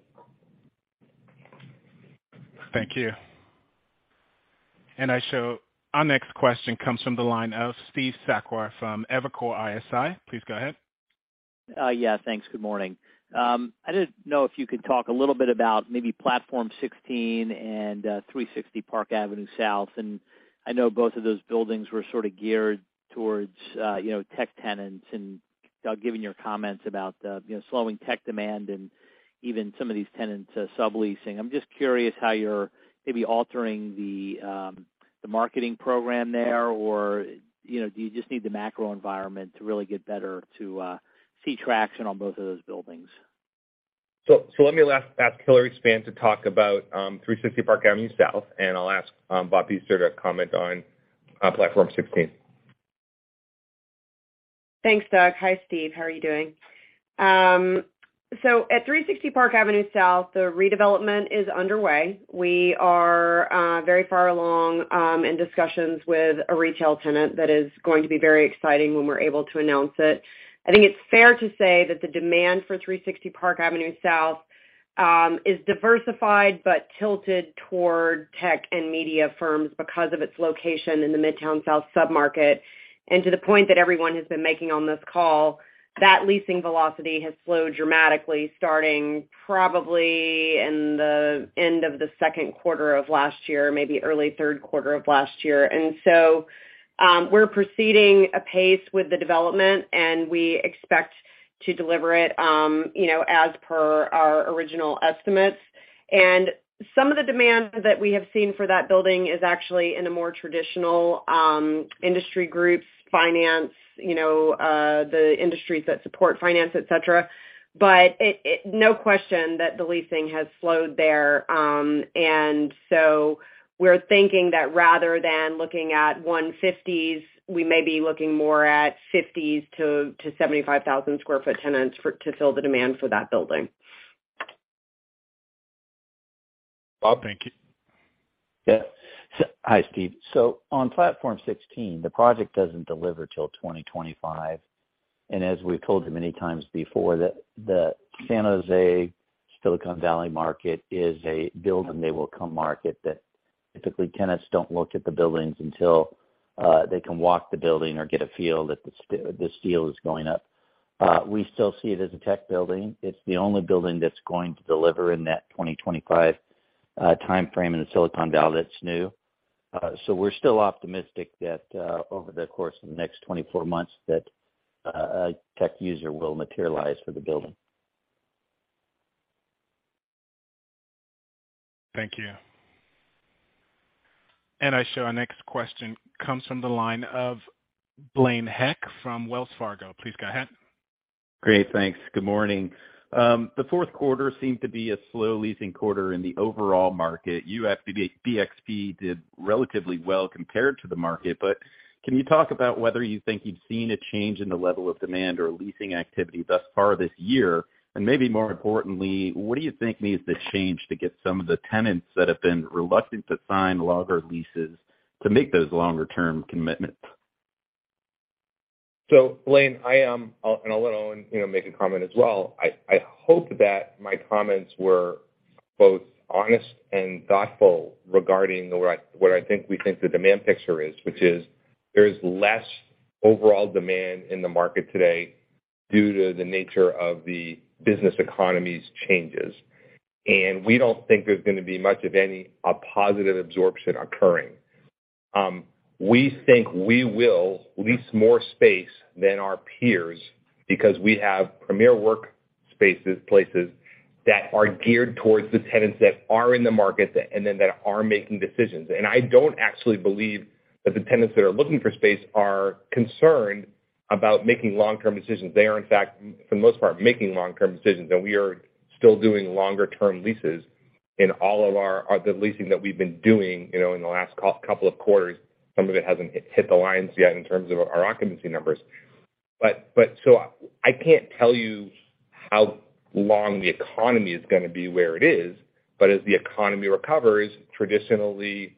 Thank you. I show our next question comes from the line of Steve Sakwa from Evercore ISI. Please go ahead. Yeah, thanks. Good morning. I didn't know if you could talk a little bit about maybe Platform 16 and 360 Park Avenue South. I know both of those buildings were sort of geared towards, you know, tech tenants. Doug, given your comments about, you know, slowing tech demand and even some of these tenants, subleasing. I'm just curious how you're maybe altering the marketing program there, or, you know, do you just need the macro environment to really get better to see traction on both of those buildings? Let me last ask Hilary Spann to talk about 360 Park Avenue South, and I'll ask Bob Pester to comment on Platform 16. Thanks, Doug. Hi, Steve. How are you doing? At 360 Park Avenue South, the redevelopment is underway. We are very far along in discussions with a retail tenant that is going to be very exciting when we're able to announce it. I think it's fair to say that the demand for 360 Park Avenue South is diversified but tilted toward tech and media firms because of its location in the Midtown South submarket. To the point that everyone has been making on this call, that leasing velocity has slowed dramatically, starting probably in the end of the second quarter of last year, maybe early third quarter of last year. We're proceeding apace with the development, and we expect to deliver it, you know, as per our original estimates. Some of the demand that we have seen for that building is actually in a more traditional, industry groups, finance, you know, the industries that support finance, et cetera. No question that the leasing has slowed there. We're thinking that rather than looking at 150s, we may be looking more at 50s to 75,000 sq ft tenants to fill the demand for that building. Bob, thank you. Hi, Steve. On Platform 16, the project doesn't deliver till 2025. As we've told you many times before, the San Jose Silicon Valley market is a build and they will come market, that typically tenants don't look at the buildings until they can walk the building or get a feel that this deal is going up. We still see it as a tech building. It's the only building that's going to deliver in that 2025 timeframe in the Silicon Valley that's new. We're still optimistic that over the course of the next 24 months that a tech user will materialize for the building. Thank you. I show our next question comes from the line of Blaine Heck from Wells Fargo. Please go ahead. Great, thanks. Good morning. The fourth quarter seemed to be a slow leasing quarter in the overall market. BXP did relatively well compared to the market. Can you talk about whether you think you've seen a change in the level of demand or leasing activity thus far this year? Maybe more importantly, what do you think needs to change to get some of the tenants that have been reluctant to sign longer leases to make those longer-term commitments? Blaine, I'll let Owen, you know, make a comment as well. I hope that my comments were both honest and thoughtful regarding what I think we think the demand picture is, which is there is less overall demand in the market today due to the nature of the business economy's changes. We don't think there's gonna be much of any positive absorption occurring. We think we will lease more space than our peers because we have Premier Workplace, places that are geared towards the tenants that are in the market and then that are making decisions. I don't actually believe that the tenants that are looking for space are concerned about making long-term decisions. They are, in fact, for the most part, making long-term decisions. We are still doing longer-term leases in all of our the leasing that we've been doing, you know, in the last couple of quarters. Some of it hasn't hit the lines yet in terms of our occupancy numbers. I can't tell you how long the economy is gonna be where it is. As the economy recovers, traditionally,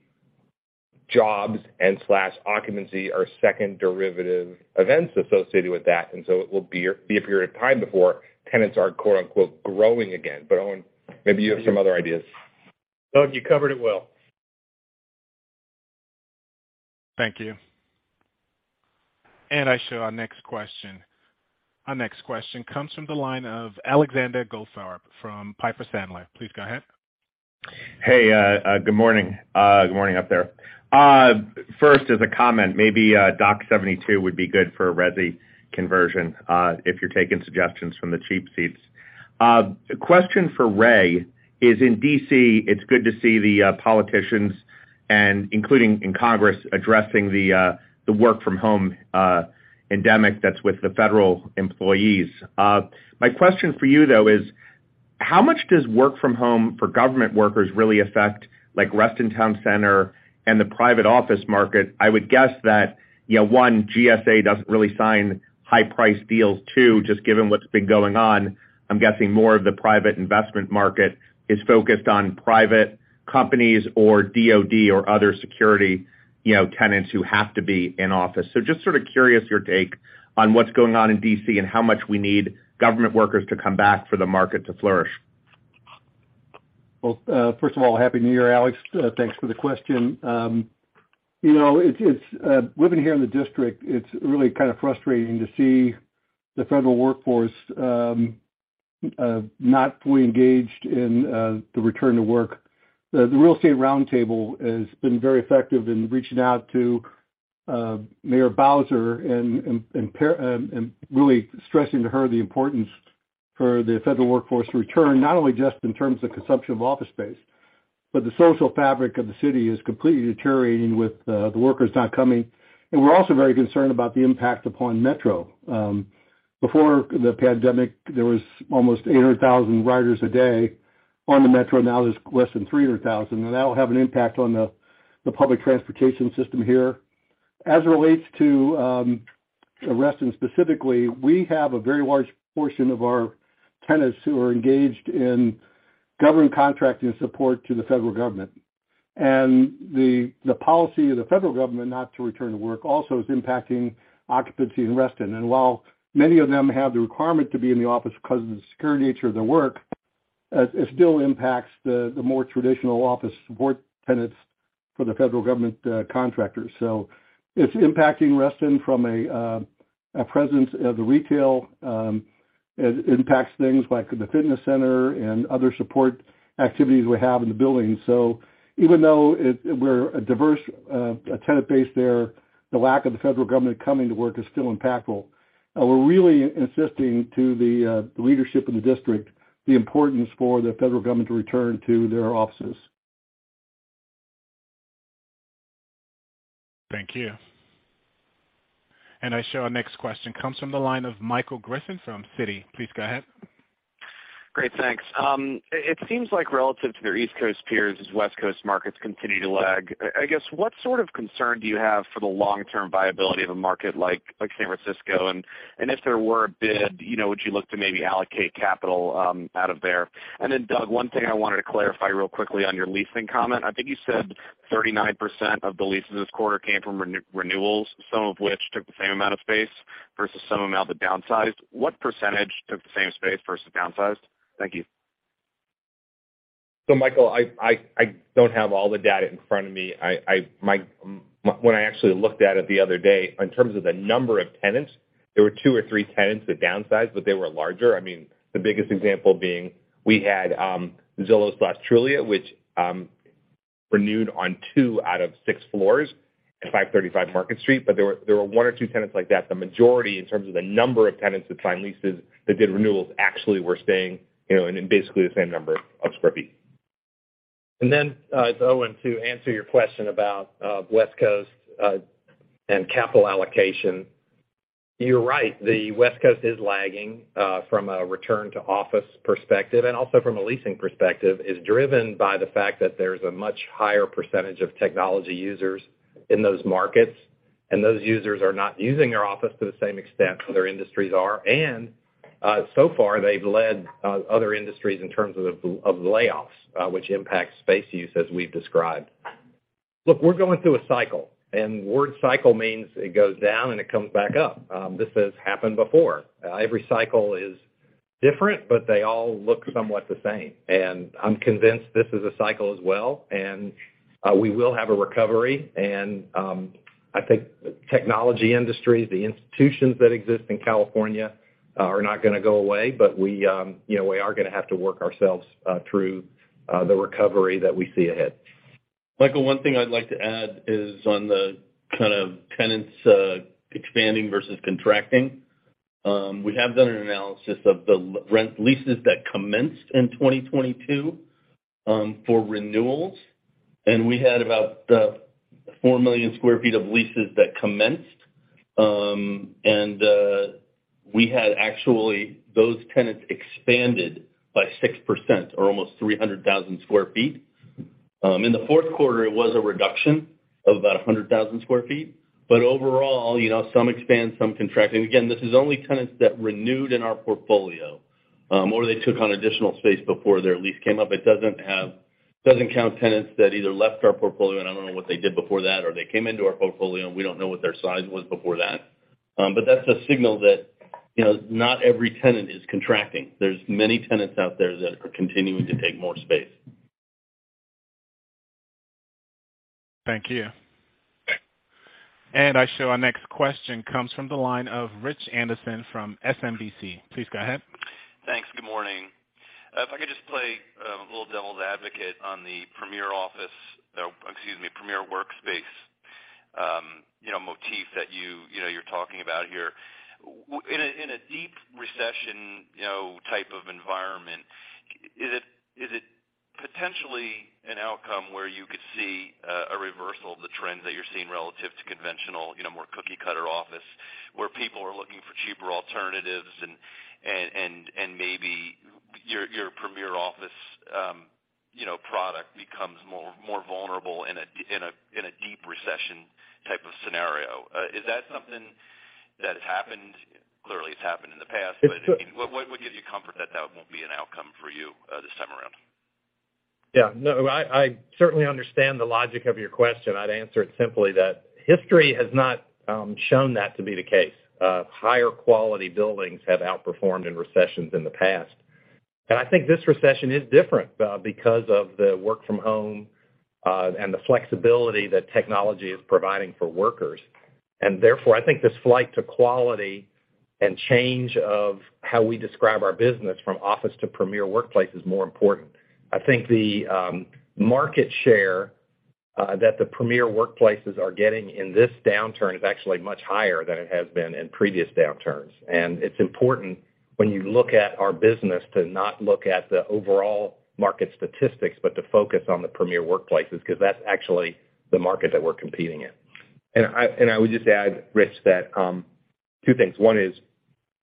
jobs and slash occupancy are second derivative events associated with that. It will be a period of time before tenants are quote-unquote growing again. Owen, maybe you have some other ideas. Doug, you covered it well. Thank you. I show our next question. Our next question comes from the line of Alexander Goldfarb from Piper Sandler. Please go ahead. Hey, good morning. Good morning up there. First as a comment, maybe, Dock 72 would be good for a resi conversion, if you're taking suggestions from the cheap seats. The question for Ray is in D.C., it's good to see the politicians and including in Congress, addressing the work from home endemic that's with the federal employees. My question for you, though, is how much does work from home for government workers really affect, like, Reston Town Center and the private office market? I would guess that, you know, one, GSA doesn't really sign high price deals. two, just given what's been going on, I'm guessing more of the private investment market is focused on private companies or DoD or other security, you know, tenants who have to be in office. Just sort of curious your take on what's going on in D.C. and how much we need government workers to come back for the market to flourish. Well, first of all, Happy New Year, Alex. Thanks for the question. You know, it's living here in the District, it's really kind of frustrating to see the federal workforce not fully engaged in the return to work. The Real Estate Roundtable has been very effective in reaching out to Mayor Bowser and really stressing to her the importance for the federal workforce to return not only just in terms of consumption of office space, but the social fabric of the city is completely deteriorating with the workers not coming. We're also very concerned about the impact upon Metro. Before the pandemic, there was almost 800,000 riders a day on the Metro. Now there's less than 300,000, that will have an impact on the public transportation system here. As it relates to Reston specifically, we have a very large portion of our tenants who are engaged in government contracting support to the federal government. The policy of the federal government not to return to work also is impacting occupancy in Reston. While many of them have the requirement to be in the office because of the secure nature of their work, it still impacts the more traditional office support tenants for the federal government contractors. It's impacting Reston from a presence of the retail, it impacts things like the fitness center and other support activities we have in the building. Even though we're a diverse tenant base there, the lack of the federal government coming to work is still impactful. We're really insisting to the leadership in the district the importance for the federal government to return to their offices. Thank you. I show our next question comes from the line of Michael Griffin from Citi. Please go ahead. Great, thanks. It seems like relative to their East Coast peers, West Coast markets continue to lag. I guess, what sort of concern do you have for the long-term viability of a market like San Francisco? If there were a bid, you know, would you look to maybe allocate capital out of there? Doug, one thing I wanted to clarify real quickly on your leasing comment. I think you said 39% of the leases this quarter came from re-renewals, some of which took the same amount of space versus some amount that downsized. What percentage took the same space versus downsized? Thank you. Michael, I don't have all the data in front of me. When I actually looked at it the other day, in terms of the number of tenants, there were two or three tenants that downsized, but they were larger. I mean, the biggest example being we had Zillow/Trulia, which renewed on two out of six floors at 535 Market Street. There were one or two tenants like that. The majority, in terms of the number of tenants that signed leases, that did renewals actually were staying, you know, in basically the same number of sq ft. And the, it's Owen, to answer your question about West Coast and capital allocation. You're right, the West Coast is lagging from a return to office perspective and also from a leasing perspective, is driven by the fact that there's a much higher % of technology users in those markets, and those users are not using their office to the same extent other industries are. So far they've led other industries in terms of the layoffs, which impacts space use as we've described. Look, we're going through a cycle, and word cycle means it goes down, and it comes back up. This has happened before. Every cycle is different, but they all look somewhat the same. I'm convinced this is a cycle as well. We will have a recovery. I think the technology industry, the institutions that exist in California are not gonna go away. We, you know, we are gonna have to work ourselves through the recovery that we see ahead. Michael, one thing I'd like to add is on the kind of tenants expanding versus contracting. We have done an analysis of the rent leases that commenced in 2022 for renewals, and we had about 4 million sq ft of leases that commenced. We had actually those tenants expanded by 6% or almost 300,000 sq ft. In the fourth quarter, it was a reduction of about 100,000 sq ft. Overall, you know, some expand, some contract. Again, this is only tenants that renewed in our portfolio, or they took on additional space before their lease came up. It doesn't count tenants that either left our portfolio, and I don't know what they did before that, or they came into our portfolio, and we don't know what their size was before that. That's a signal that, you know, not every tenant is contracting. There's many tenants out there that are continuing to take more space. Thank you. I show our next question comes from the line of Rich Anderson from SMBC. Please go ahead. Thanks. Good morning. If I could just play a little devil's advocate on the premier office, excuse me, Premier Workplace, you know, motif that you know, you're talking about here. In a deep recession, you know, type of environment, is it potentially an outcome where you could see a reversal of the trends that you're seeing relative to conventional, you know, more cookie-cutter office, where people are looking for cheaper alternatives and maybe your Premier Workplace, you know, product becomes more vulnerable in a deep recession type of scenario? Is that something that has happened? Clearly, it's happened in the past. I mean, what gives you comfort that that won't be an outcome for you, this time around? Yeah. No, I certainly understand the logic of your question. I'd answer it simply that history has not shown that to be the case. Higher quality buildings have outperformed in recessions in the past. I think this recession is different because of the work from home and the flexibility that technology is providing for workers. Therefore, I think this flight to quality and change of how we describe our business from office to Premier Workplace is more important. I think the market share that the Premier Workplaces are getting in this downturn is actually much higher than it has been in previous downturns. It's important when you look at our business to not look at the overall market statistics, but to focus on the Premier Workplaces, 'cause that's actually the market that we're competing in. I would just add, Rich, that two things. One is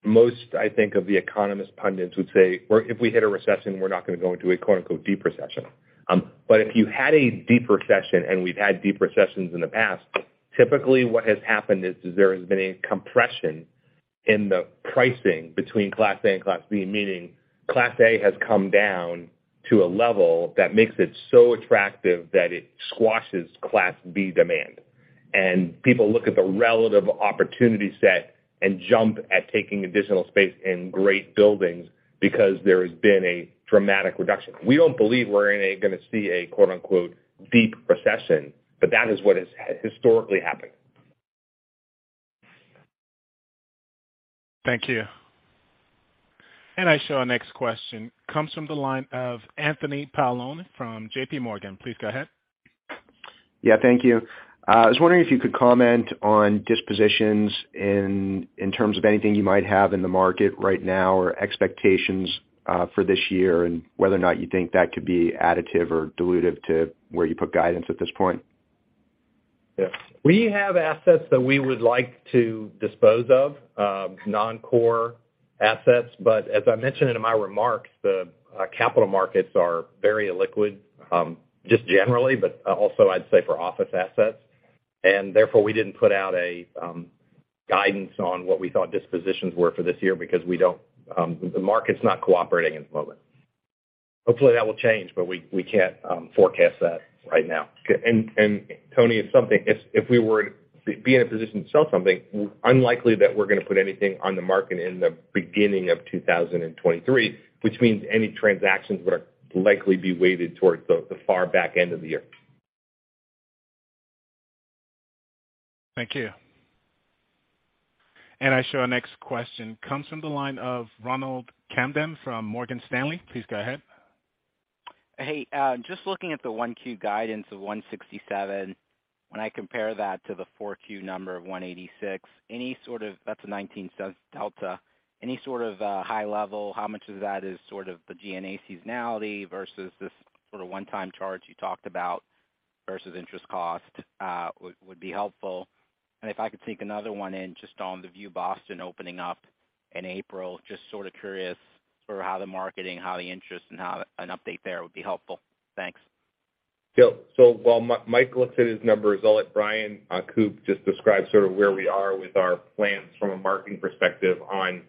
most, I think, of the economist pundits would say, "Well, if we hit a recession, we're not gonna go into a quote-unquote deep recession." If you had a deep recession, and we've had deep recessions in the past, typically what has happened is there has been a compression in the pricing between Class A and Class B, meaning Class A has come down to a level that makes it so attractive that it squashes Class B demand. People look at the relative opportunity set and jump at taking additional space in great buildings because there has been a dramatic reduction. We don't believe we're gonna see a quote-unquote deep recession, but that is what has historically happened. Thank you. I show our next question comes from the line of Anthony Paolone from JPMorgan. Please go ahead. Yeah, thank you. I was wondering if you could comment on dispositions in terms of anything you might have in the market right now or expectations for this year, whether or not you think that could be additive or dilutive to where you put guidance at this point. Yes. We have assets that we would like to dispose of, non-core assets. As I mentioned in my remarks, the capital markets are very illiquid, just generally, but also I'd say for office assets. Therefore, we didn't put out a guidance on what we thought dispositions were for this year because we don't the market's not cooperating at the moment. Hopefully, that will change, but we can't forecast that right now. Tony, if we were to be in a position to sell something, unlikely that we're gonna put anything on the market in the beginning of 2023, which means any transactions would likely be weighted towards the far back end of the year. Thank you. I show our next question comes from the line ofRonald Kamdem from Morgan Stanley. Please go ahead. Hey, just looking at the 1Q guidance of $1.67, when I compare that to the 4Q number of $1.86, that's a $0.19 delta. Any sort of high level, how much of that is sort of the G&A seasonality versus this sort of one-time charge you talked about versus interest cost, would be helpful. If I could sneak another one in just on the View Boston opening up in April, just sort of curious sort of how the marketing, how the interest, and how an update there would be helpful. Thanks. Sure. While Mike looks at his numbers, I'll let Bryan Koop just describe sort of where we are with our plans from a marketing perspective on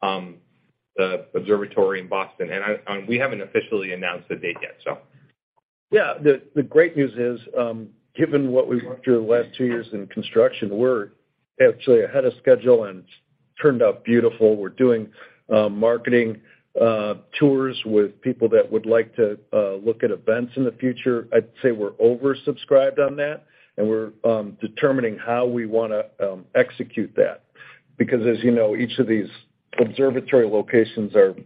the observatory in Boston. We haven't officially announced the date yet, so. Yeah. The great news is, given what we went through the last two years in construction, we're actually ahead of schedule, and it's turned out beautiful. We're doing marketing tours with people that would like to look at events in the future. I'd say we're oversubscribed on that, and we're determining how we wanna execute that. As you know, each of these observatory locations are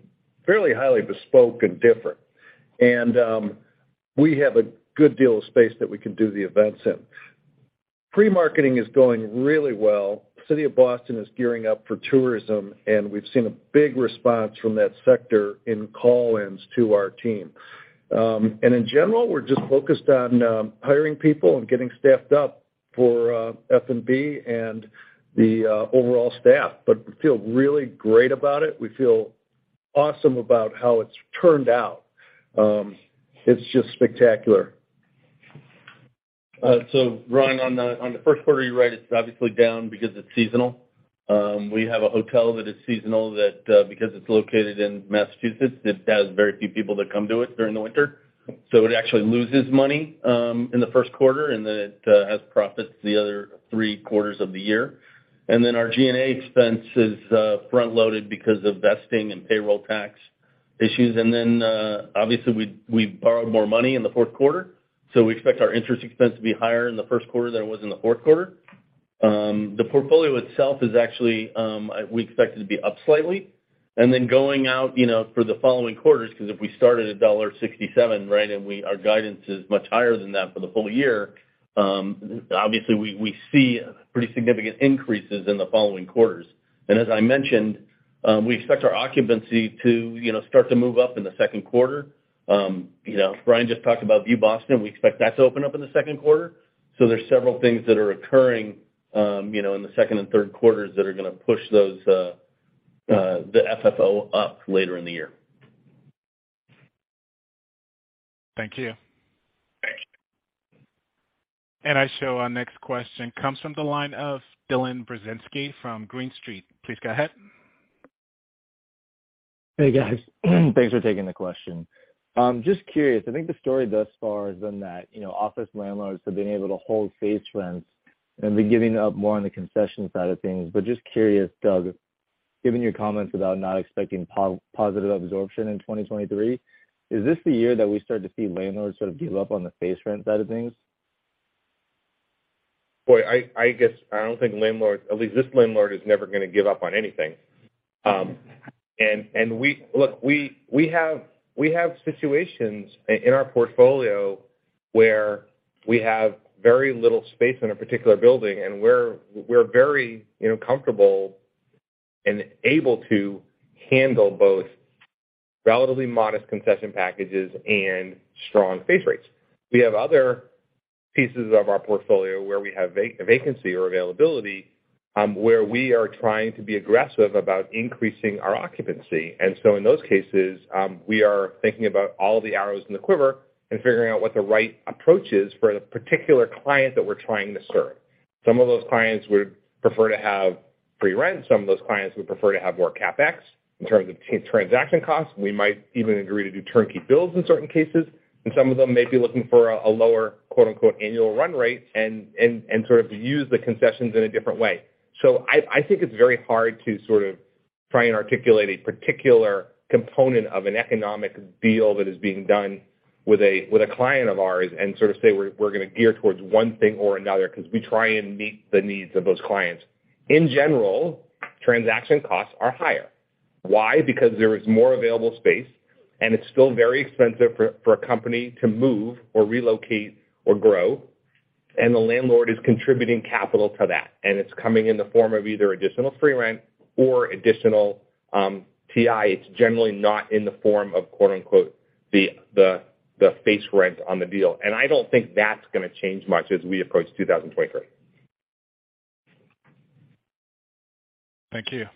fairly highly bespoke and different. We have a good deal of space that we can do the events in. Pre-marketing is going really well. City of Boston is gearing up for tourism, and we've seen a big response from that sector in call-ins to our team. In general, we're just focused on hiring people and getting staffed up for F&B and the overall staff. We feel really great about it. We feel awesome about how it's turned out. It's just spectacular. Bryan, on the first quarter, you're right, it's obviously down because it's seasonal. We have a hotel that is seasonal that, because it's located in Massachusetts, it has very few people that come to it during the winter. It actually loses money in the first quarter, it has profits the other three quarters of the year. Our G&A expense is front-loaded because of vesting and payroll tax issues. Obviously, we borrowed more money in the fourth quarter, we expect our interest expense to be higher in the first quarter than it was in the fourth quarter. The portfolio itself is actually, we expect it to be up slightly. Going out, you know, for the following quarters, 'cause if we started at $1.67, right, and our guidance is much higher than that for the full year, obviously, we see pretty significant increases in the following quarters. As I mentioned, we expect our occupancy to, you know, start to move up in the second quarter. You know, Brian just talked about View Boston. We expect that to open up in the second quarter. There's several things that are occurring, you know, in the second and third quarters that are gonna push those the FFO up later in the year. Thank you. Thank you. I show our next question comes from the line of Dylan Burzinski from Green Street. Please go ahead. Hey, guys. Thanks for taking the question. Just curious, I think the story thus far has been that, you know, office landlords have been able to hold base rents and they're giving up more on the concession side of things. Just curious, Doug, given your comments about not expecting positive absorption in 2023, is this the year that we start to see landlords sort of give up on the base rent side of things? Boy, I guess I don't think landlords, at least this landlord, is never gonna give up on anything. Look, we have situations in our portfolio where we have very little space in a particular building, and we're very, you know, comfortable and able to handle both relatively modest concession packages and strong base rates. We have other pieces of our portfolio where we have vacancy or availability, where we are trying to be aggressive about increasing our occupancy. In those cases, we are thinking about all the arrows in the quiver and figuring out what the right approach is for the particular client that we're trying to serve. Some of those clients would prefer to have free rent. Some of those clients would prefer to have more CapEx in terms of transaction costs. We might even agree to do turnkey builds in certain cases. Some of them may be looking for a lower, quote-unquote, "annual run rate" and sort of use the concessions in a different way. I think it's very hard to sort of try and articulate a particular component of an economic deal that is being done with a client of ours and sort of say we're gonna gear towards one thing or another because we try and meet the needs of those clients. In general, transaction costs are higher. Why? Because there is more available space, and it's still very expensive for a company to move or relocate or grow, and the landlord is contributing capital to that, and it's coming in the form of either additional free rent or additional TI. It's generally not in the form of, quote-unquote, "the face rent" on the deal. I don't think that's going to change much as we approach 2023? Thank you.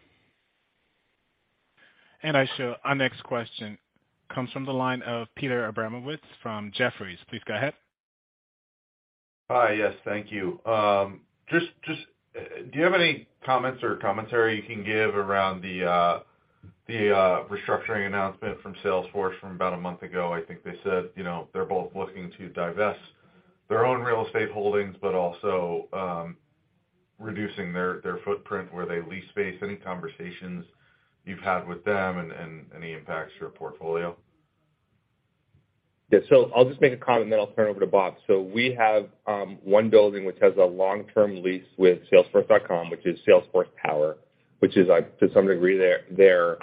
I show our next question comes from the line of Peter Abramovitz from Jefferies. Please go ahead. Hi. Yes, thank you. Just, do you have any comments or commentary you can give around the restructuring announcement from Salesforce from about a month ago? I think they said, you know, they're both looking to divest their own real estate holdings, but also reducing their footprint where they lease space. Any conversations you've had with them and any impacts to your portfolio? Yeah. I'll just make a comment, and then I'll turn it over to Bob. We have one building which has a long-term lease with Salesforce.com, which is Salesforce Tower, which is to some degree, their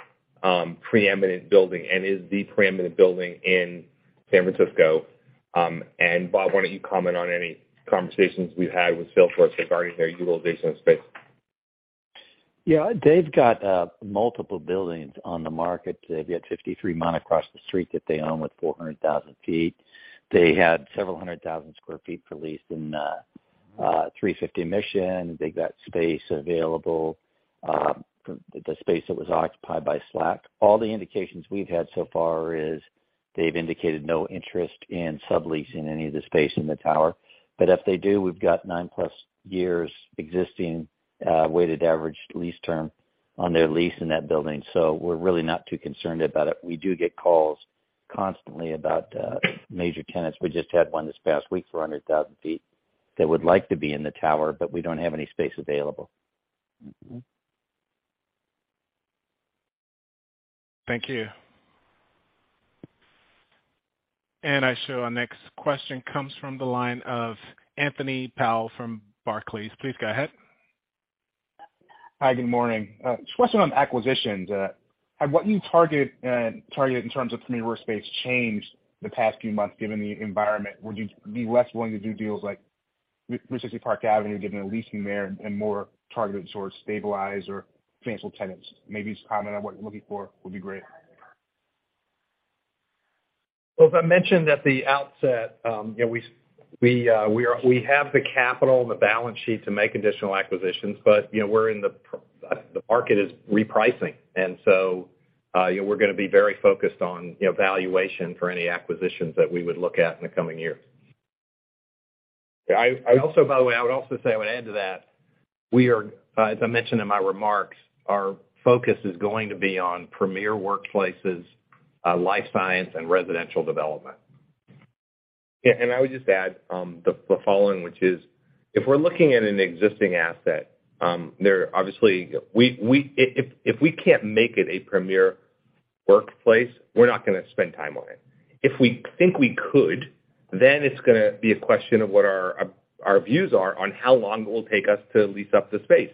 preeminent building and is the preeminent building in San Francisco. Bob, why don't you comment on any conversations we've had with Salesforce regarding their utilization of space? Yeah. They've got multiple buildings on the market. They've got 53 miner across the street that they own with 400,000 sq ft. They had several hundred thousand sq ft for lease in 350 Mission. They've got space available, the space that was occupied by Slack. All the indications we've had so far is they've indicated no interest in subleasing any of the space in the tower. If they do, we've got 9+ years existing, weighted average lease term on their lease in that building. We're really not too concerned about it. We do get calls constantly about major tenants. We just had one this past week for 100,000 sq ft that would like to be in the tower. We don't have any space available. Thank you. I show our next question comes from the line of Anthony Powell from Barclays. Please go ahead. Hi, good morning. Just a question on acquisitions. Have what you target in terms of Premier Workplace changed the past few months given the environment? Would you be less willing to do deals like with 360 Park Avenue, given the leasing there and more targeted towards stabilized or financial tenants? Maybe just comment on what you're looking for would be great. Well, as I mentioned at the outset, you know, we have the capital and the balance sheet to make additional acquisitions, but, you know, the market is repricing. You know, we're gonna be very focused on, you know, valuation for any acquisitions that we would look at in the coming years. I also, by the way, I would also say I would add to that, we are, as I mentioned in my remarks, our focus is going to be on premier workplaces, life science and residential development. I would just add, the following, which is if we're looking at an existing asset, there obviously if we can't make it a premier workplace, we're not gonna spend time on it. If we think we could, then it's gonna be a question of what our views are on how long it will take us to lease up the space.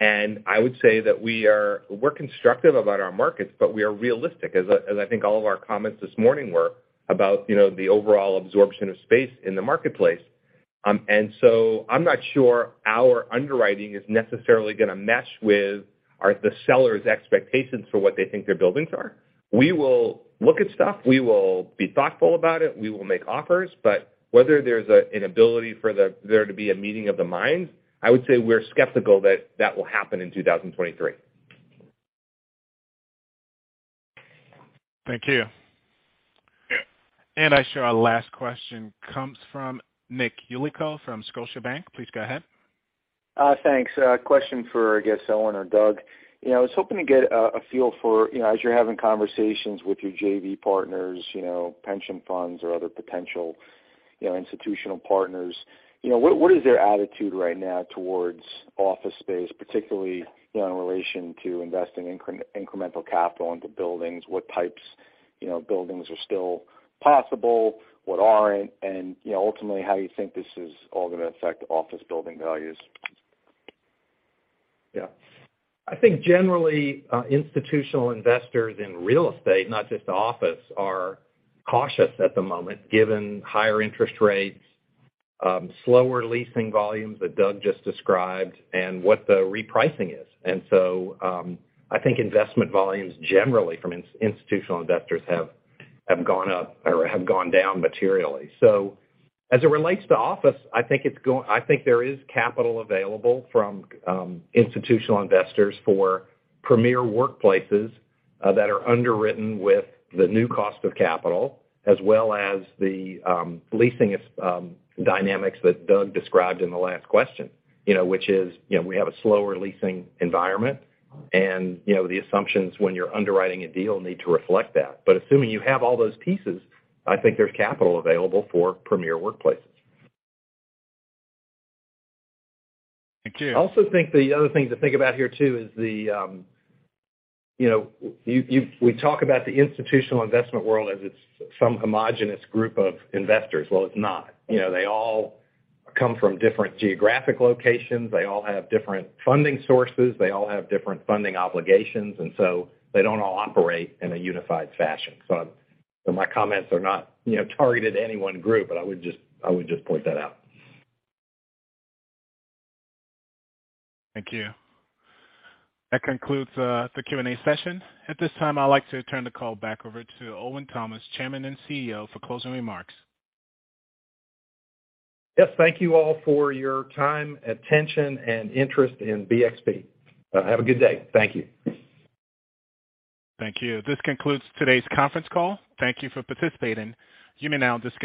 I would say that We're constructive about our markets, but we are realistic, as I think all of our comments this morning were about, you know, the overall absorption of space in the marketplace. I'm not sure our underwriting is necessarily gonna mesh with the seller's expectations for what they think their buildings are. We will look at stuff. We will be thoughtful about it. We will make offers. Whether there's an ability for there to be a meeting of the minds, I would say we're skeptical that that will happen in 2023. Thank you. Yeah. I show our last question comes from Nick Yulico from Scotiabank. Please go ahead. Thanks. A question for, I guess, Owen or Doug. You know, I was hoping to get a feel for, you know, as you're having conversations with your JV partners, you know, pension funds or other potential, you know, institutional partners, you know, what is their attitude right now towards office space, particularly, you know, in relation to investing incremental capital into buildings? What types, you know, buildings are still possible, what aren't, and, you know, ultimately, how you think this is all gonna affect office building values? I think generally, institutional investors in real estate, not just office, are cautious at the moment given higher interest rates, slower leasing volumes that Doug just described and what the repricing is. I think investment volumes generally from institutional investors have gone up or have gone down materially. As it relates to office, I think there is capital available from institutional investors for Premier Workplaces that are underwritten with the new cost of capital as well as the leasing dynamics that Doug described in the last question. You know, which is, you know, we have a slower leasing environment, and, you know, the assumptions when you're underwriting a deal need to reflect that. Assuming you have all those pieces, I think there's capital available for Premier Workplaces. Thank you. I also think the other thing to think about here too is the, you know, we talk about the institutional investment world as it's some homogeneous group of investors. Well, it's not. You know, they all come from different geographic locations. They all have different funding sources. They all have different funding obligations. They don't all operate in a unified fashion. My comments are not, you know, targeted to any one group, but I would just, I would just point that out. Thank you. That concludes the Q&A session. At this time, I'd like to turn the call back over to Owen Thomas, Chairman and CEO, for closing remarks. Yes, thank you all for your time, attention and interest in BXP. Have a good day. Thank you. Thank you. This concludes today's conference call. Thank you for participating. You may now disconnect.